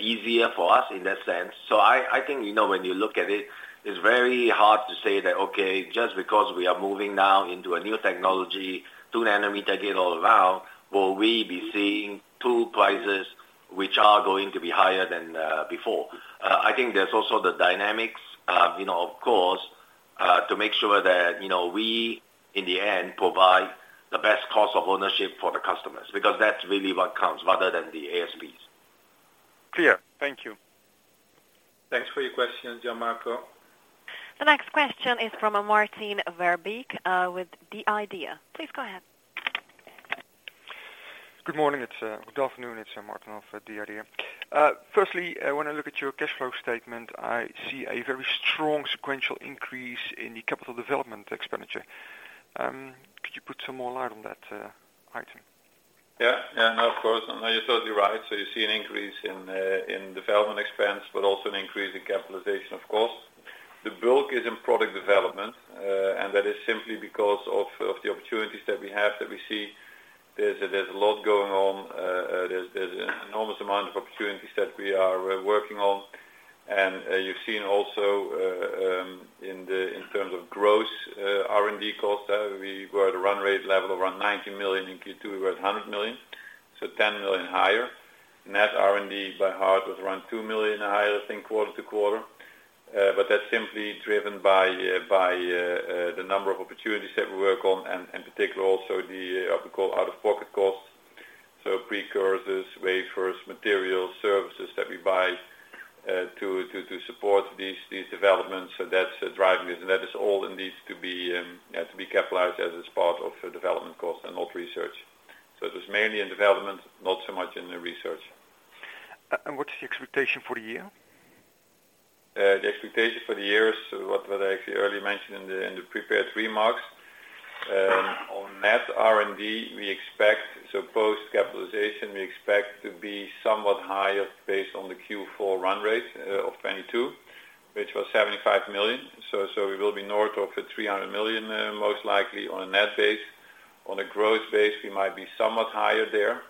easier for us in that sense. I think, you know, when you look at it's very hard to say that, okay, just because we are moving now into a new technology, 2-nanometer Gate-All-Around, will we be seeing tool prices which are going to be higher than before? I think there's also the dynamics, you know, of course, to make sure that, you know, we, in the end, provide the best cost of ownership for the customers, because that's really what counts rather than the ASPs. Clear. Thank you. Thanks for your question, Gianmarco. The next question is from Maarten Verbeek with the IDEA. Please go ahead. Good morning. It's good afternoon, Maarten of the IDEA Firstly, when I look at your cash flow statement, I see a very strong sequential increase in the capital development expenditure. Could you put some more light on that item? Of course. You're totally right. You see an increase in development expense, but also an increase in capitalization, of course. The bulk is in product development, and that is simply because of the opportunities that we have, that we see. There's a lot going on. There's an enormous amount of opportunities that we are working on. You've seen also in terms of gross R&D costs, we were at a run rate level of around 90 million. In Q2, we were at 100 million, 10 million higher. Net R&D, by heart, was around 2 million higher, I think, quarter to quarter. That's simply driven by the number of opportunities that we work on, and in particular, also the, what we call, out-of-pocket costs. Precursors, wafers, materials, services that we buy, to support these developments. That's driving it, and that is all it needs to be, yeah, to be capitalized as it's part of the development cost and not research. It was mainly in development, not so much in the research. What is the expectation for the year? The expectation for the year is what I actually earlier mentioned in the prepared remarks. On net R&D, we expect, so post-capitalization, we expect to be somewhat higher based on the Q4 run rate of 2022, which was 75 million. We will be north of 300 million most likely on a net base. On a growth base, we might be somewhat higher there,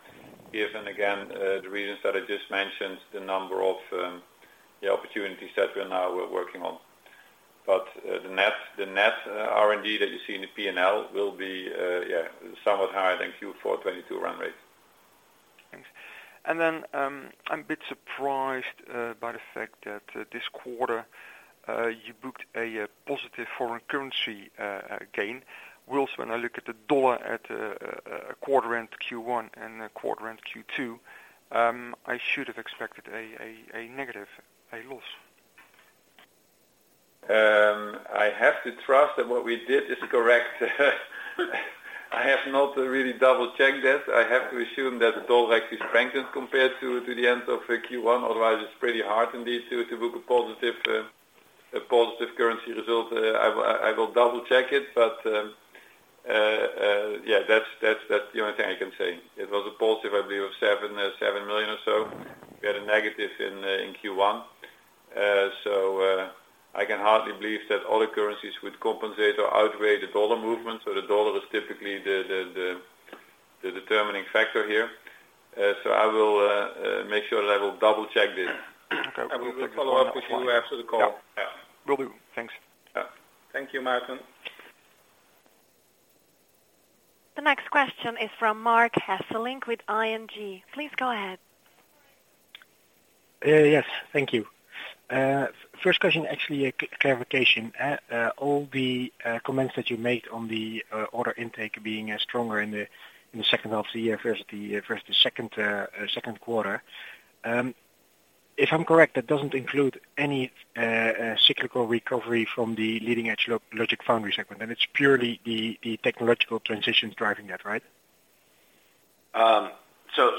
given, again, the reasons that I just mentioned, the number of opportunities that we're now working on. The net R&D that you see in the P&L will be somewhat higher than Q4 2022 run rate. Thanks. I'm a bit surprised by the fact that this quarter, you booked a positive foreign currency gain. Whilst when I look at the dollar at a quarter end Q1 and a quarter end Q2, I should have expected a negative, a loss. I have to trust that what we did is correct. I have not really double-checked that. I have to assume that the dollar actually strengthened compared to the end of Q1. Otherwise, it's pretty hard indeed to book a positive currency result. I will double-check it, but that's the only thing I can say. It was a positive, I believe, of $7 million or so. We had a negative in Q1. I can hardly believe that other currencies would compensate or outweigh the dollar movement. The dollar is typically the determining factor here. I will make sure that I will double-check this. Okay. We will follow up with you after the call. Yeah. Yeah. Will do. Thanks. Yeah. Thank you, Maarten. The next question is from Marc Hesselink with ING. Please go ahead. Yes, thank you. First question, actually, a clarification. All the comments that you made on the order intake being stronger in the second half of the year versus the second quarter. If I'm correct, that doesn't include any cyclical recovery from the leading-edge logic foundry segment, and it's purely the technological transition driving that, right?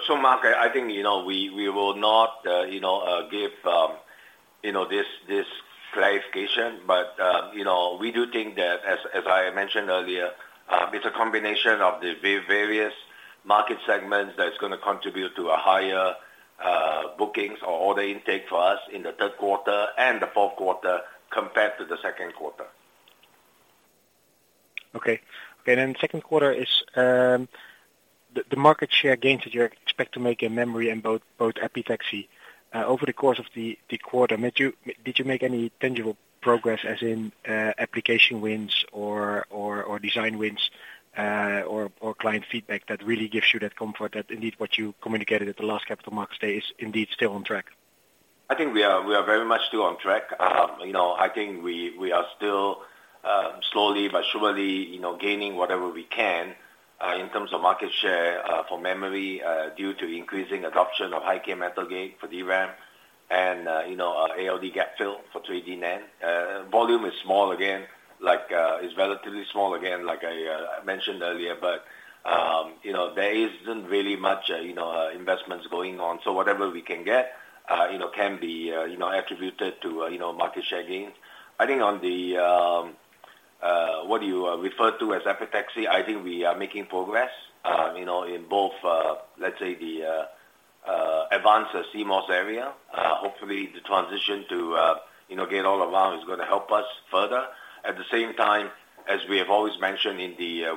Marc, I think, you know, we will not, you know, give, you know, this clarification. You know, we do think that as I mentioned earlier, it's a combination of the various market segments that's gonna contribute to a higher, bookings or order intake for us in the third quarter and the fourth quarter, compared to the second quarter. Okay. The second quarter is, the market share gains that you expect to make in memory in both epitaxy over the course of the quarter, did you make any tangible progress as in application wins or design wins or client feedback that really gives you that comfort that indeed, what you communicated at the last Capital Market Day is indeed still on track? I think we are very much still on track. You know, I think we are still, slowly but surely, you know, gaining whatever we can in terms of market share for memory due to increasing adoption of high-k metal gate for DRAM and, you know, ALD gap-fill for 3D NAND. Volume is small again, like it's relatively small again, like I mentioned earlier, but, you know, there isn't really much, you know, investments going on. Whatever we can get, you know, can be, you know, attributed to, you know, market share gains. I think on the, what you referred to as epitaxy, I think we are making progress, you know, in both, let's say the advanced CMOS area. Hopefully, the transition to, you know, Gate-All-Around is gonna help us further. At the same time, as we have always mentioned in the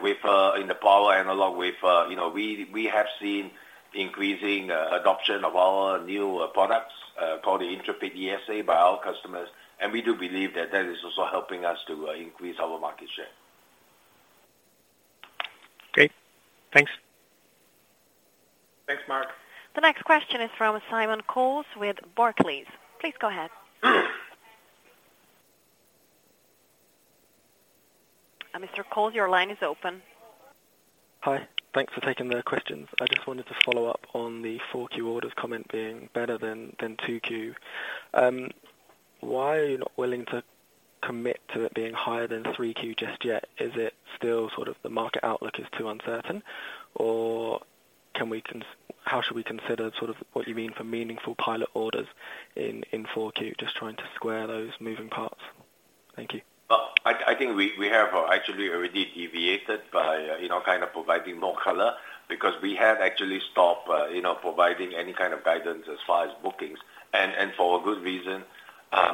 power analog wafer, you know, we have seen increasing adoption of our new products called the Intrepid ESA by our customers, and we do believe that that is also helping us to increase our market share. Okay, thanks. Thanks, Mark. The next question is from Simon Coles with Barclays. Please go ahead. Mr. Coles, your line is open. Hi. Thanks for taking the questions. I just wanted to follow up on the 4Q orders comment being better than 2Q. Why are you not willing to commit to it being higher than 3Q just yet? Is it still sort of the market outlook is too uncertain, or can we how should we consider sort of what you mean for meaningful pilot orders in 4Q? Just trying to square those moving parts. Thank you. Well, I think we have actually already deviated by, you know, kind of providing more color because we have actually stopped, you know, providing any kind of guidance as far as bookings, and for a good reason.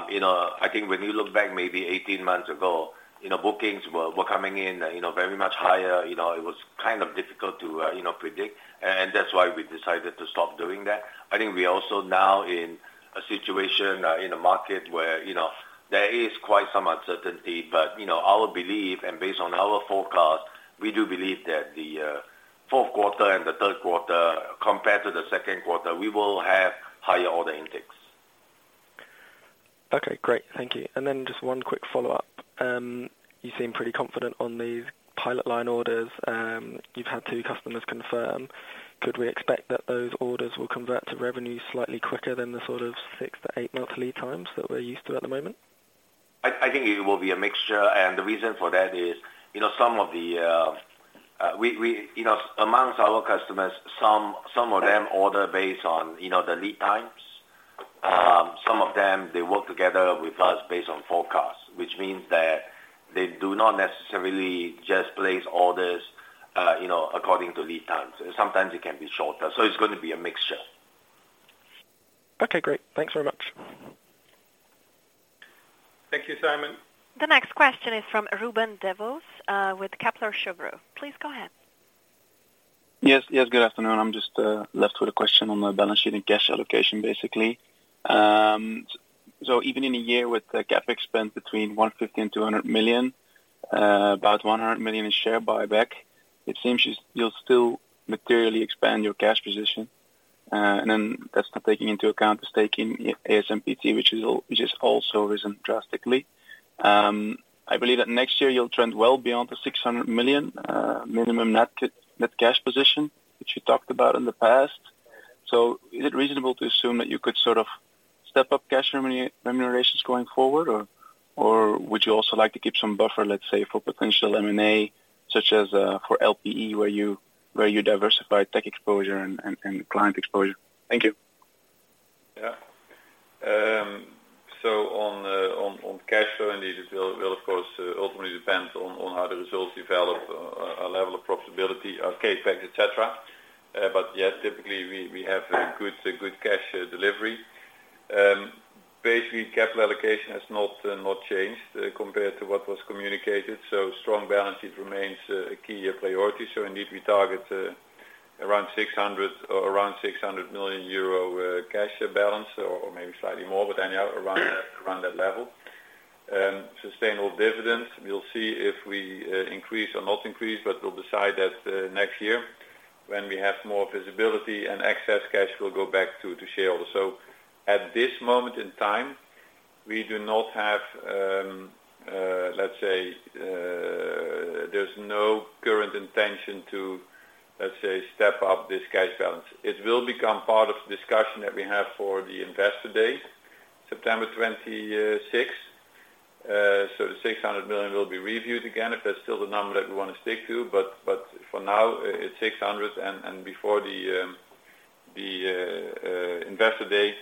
You know, I think when you look back maybe 18 months ago, you know, bookings were coming in, you know, very much higher. You know, it was kind of difficult to, you know, predict, and that's why we decided to stop doing that. I think we are also now in a situation, in a market where, you know, there is quite some uncertainty, but, you know, our belief and based on our forecast, we do believe that the fourth quarter and the third quarter, compared to the second quarter, we will have higher order intakes. Okay, great. Thank you. Just one quick follow-up. You seem pretty confident on these pilot line orders, you've had two customers confirm. Could we expect that those orders will convert to revenue slightly quicker than the sort of six to eight-month lead times that we're used to at the moment? I think it will be a mixture, and the reason for that is, you know, some of the, we, you know, amongst our customers, some of them order based on, you know, the lead times. Some of them, they work together with us based on forecasts, which means that they do not necessarily just place orders, you know, according to lead times. Sometimes it can be shorter, so it's going to be a mixture. Okay, great. Thanks very much. Thank you, Simon. The next question is from Ruben Devos, with Kepler Cheuvreux. Please go ahead. Yes, good afternoon. I'm just left with a question on the balance sheet and cash allocation, basically. Even in a year with CapEx spend between 150 million-200 million, about 100 million in share buyback, it seems you'll still materially expand your cash position. That's not taking into account the stake in ASMPT, which has also risen drastically. I believe that next year you'll trend well beyond the 600 million minimum net cash position, which you talked about in the past. Is it reasonable to assume that you could sort of step up cash remunerations going forward, or would you also like to keep some buffer, let's say, for potential M&A, such as, for LPE, where you diversify tech exposure and client exposure? Thank you. Yeah. On cash flow, indeed, it will of course, ultimately depend on how the results develop, our level of profitability, our CapEx, et cetera. Yes, typically, we have a good cash delivery. Basically, capital allocation has not changed, compared to what was communicated, strong balance sheet remains a key priority. Indeed, we target around 600 million euro cash balance, or maybe slightly more, but anyhow, around that level. Sustainable dividends. We'll see if we increase or not increase, we'll decide that next year when we have more visibility and excess cash will go back to shareholders. At this moment in time, we do not have, let's say, there's no current intention to, let's say, step up this cash balance. It will become part of the discussion that we have for the Investor Day, September 26. The 600 million will be reviewed again, if that's still the number that we want to stick to. For now, it's 600, and before the Investor Day,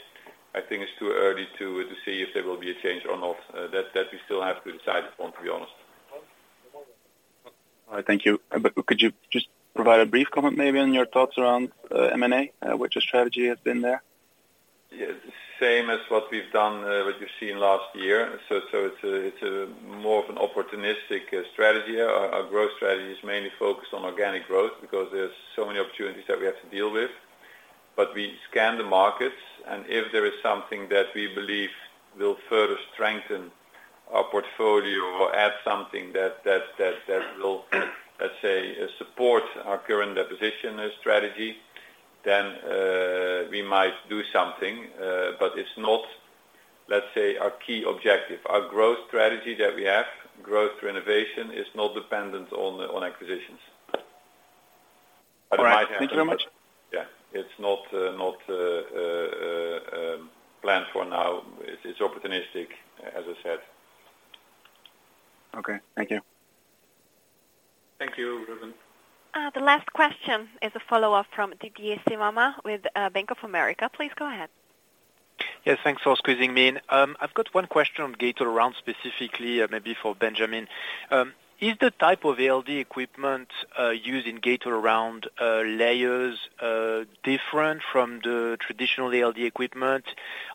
I think it's too early to see if there will be a change or not. That we still have to decide upon, to be honest. All right. Thank you. Could you just provide a brief comment maybe on your thoughts around M&A, what your strategy has been there? Yeah. Same as what we've done, what you've seen last year. It's a more of an opportunistic strategy. Our growth strategy is mainly focused on organic growth because there's so many opportunities that we have to deal with. We scan the markets, and if there is something that we believe will further strengthen our portfolio or add something that will, let's say, support our current deposition strategy, then we might do something, but it's not, let's say, our key objective. Our growth strategy that we have, growth through innovation, is not dependent on acquisitions. It might happen- All right. Thank you very much. Yeah. It's not planned for now. It's opportunistic, as I said. Okay. Thank you. Thank you, Ruben. The last question is a follow-up from Didier Scemama with Bank of America. Please go ahead. Thanks for squeezing me in. I've got one question on Gate-All-Around, specifically maybe for Benjamin. Is the type of ALD equipment used in Gate-All-Around layers different from the traditional ALD equipment?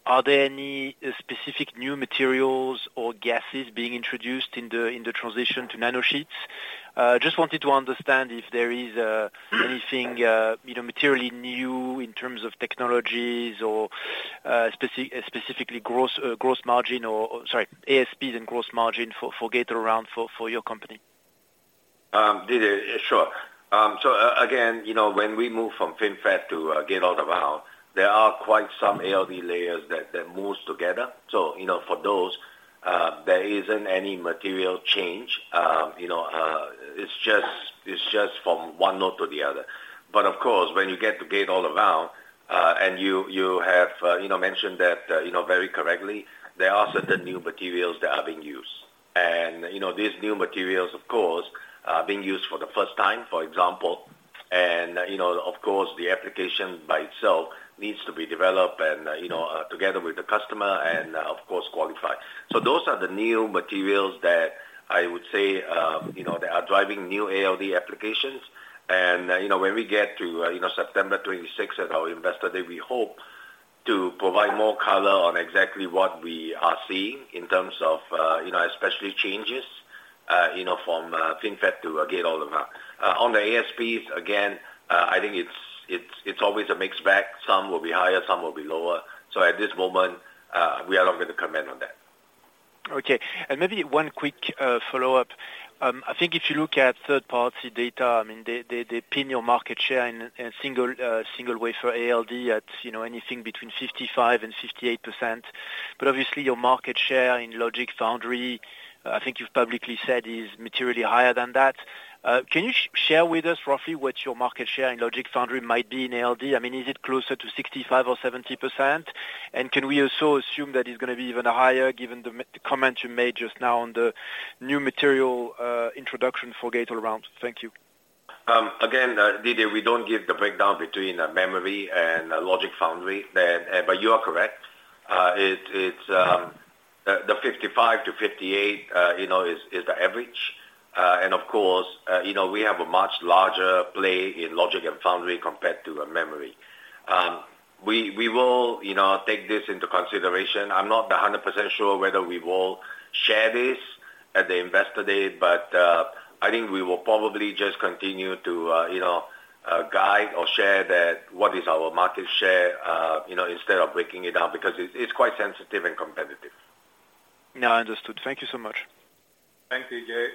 Are there any specific new materials or gases being introduced in the transition to nanosheets? Just wanted to understand if there is anything, you know, materially new in terms of technologies or specifically gross margin or Sorry, ASPs and gross margin for Gate-All-Around for your company. Didier, sure. Again, you know, when we move from FinFET to Gate-All-Around, there are quite some ALD layers that moves together. You know, for those, there isn't any material change. You know, it's just from one node to the other. Of course, when you get to Gate-All-Around, and you have, you know, mentioned that, you know, very correctly, there are certain new materials that are being used. You know, these new materials, of course, are being used for the first time, for example, and, you know, of course, the application by itself needs to be developed and, you know, together with the customer and, of course, qualified. Those are the new materials that I would say, you know, that are driving new ALD applications. You know, when we get to, you know, September 26 at our Investor Day, we hope to provide more color on exactly what we are seeing in terms of, you know, especially changes, you know, from FinFET to Gate-All-Around. On the ASPs, again, I think it's always a mixed bag. Some will be higher, some will be lower. At this moment, we are not going to comment on that. Okay. Maybe one quick follow-up. I think if you look at third-party data, I mean, they, they pin your market share in single single wafer ALD at, you know, anything between 55%-58%. Obviously, your market share in logic foundry, I think you've publicly said, is materially higher than that. Can you share with us roughly what your market share in logic foundry might be in ALD? I mean, is it closer to 65% or 70%? Can we also assume that it's gonna be even higher, given the comment you made just now on the new material introduction for Gate-All-Around? Thank you. Again, Didier, we don't give the breakdown between the memory and logic foundry. Then, but you are correct. It's, you know, the 55-58 is the average. Of course, you know, we have a much larger play in logic and foundry compared to a memory. We will, you know, take this into consideration. I'm not 100% sure whether we will share this at the Investor Day, but I think we will probably just continue to, you know, guide or share that what is our market share, you know, instead of breaking it down, because it's quite sensitive and competitive. No, I understood. Thank you so much. Thank you, Didier.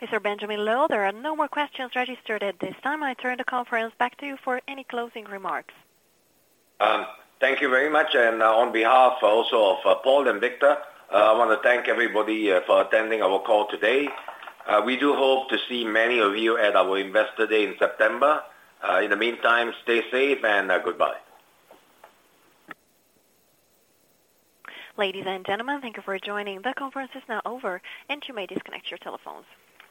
Mr. Benjamin Loh, there are no more questions registered at this time. I turn the conference back to you for any closing remarks. Thank you very much, on behalf also of Paul and Victor, I want to thank everybody for attending our call today. We do hope to see many of you at our Investor Day in September. In the meantime, stay safe and goodbye. Ladies and gentlemen, thank you for joining. The conference is now over, and you may disconnect your telephones.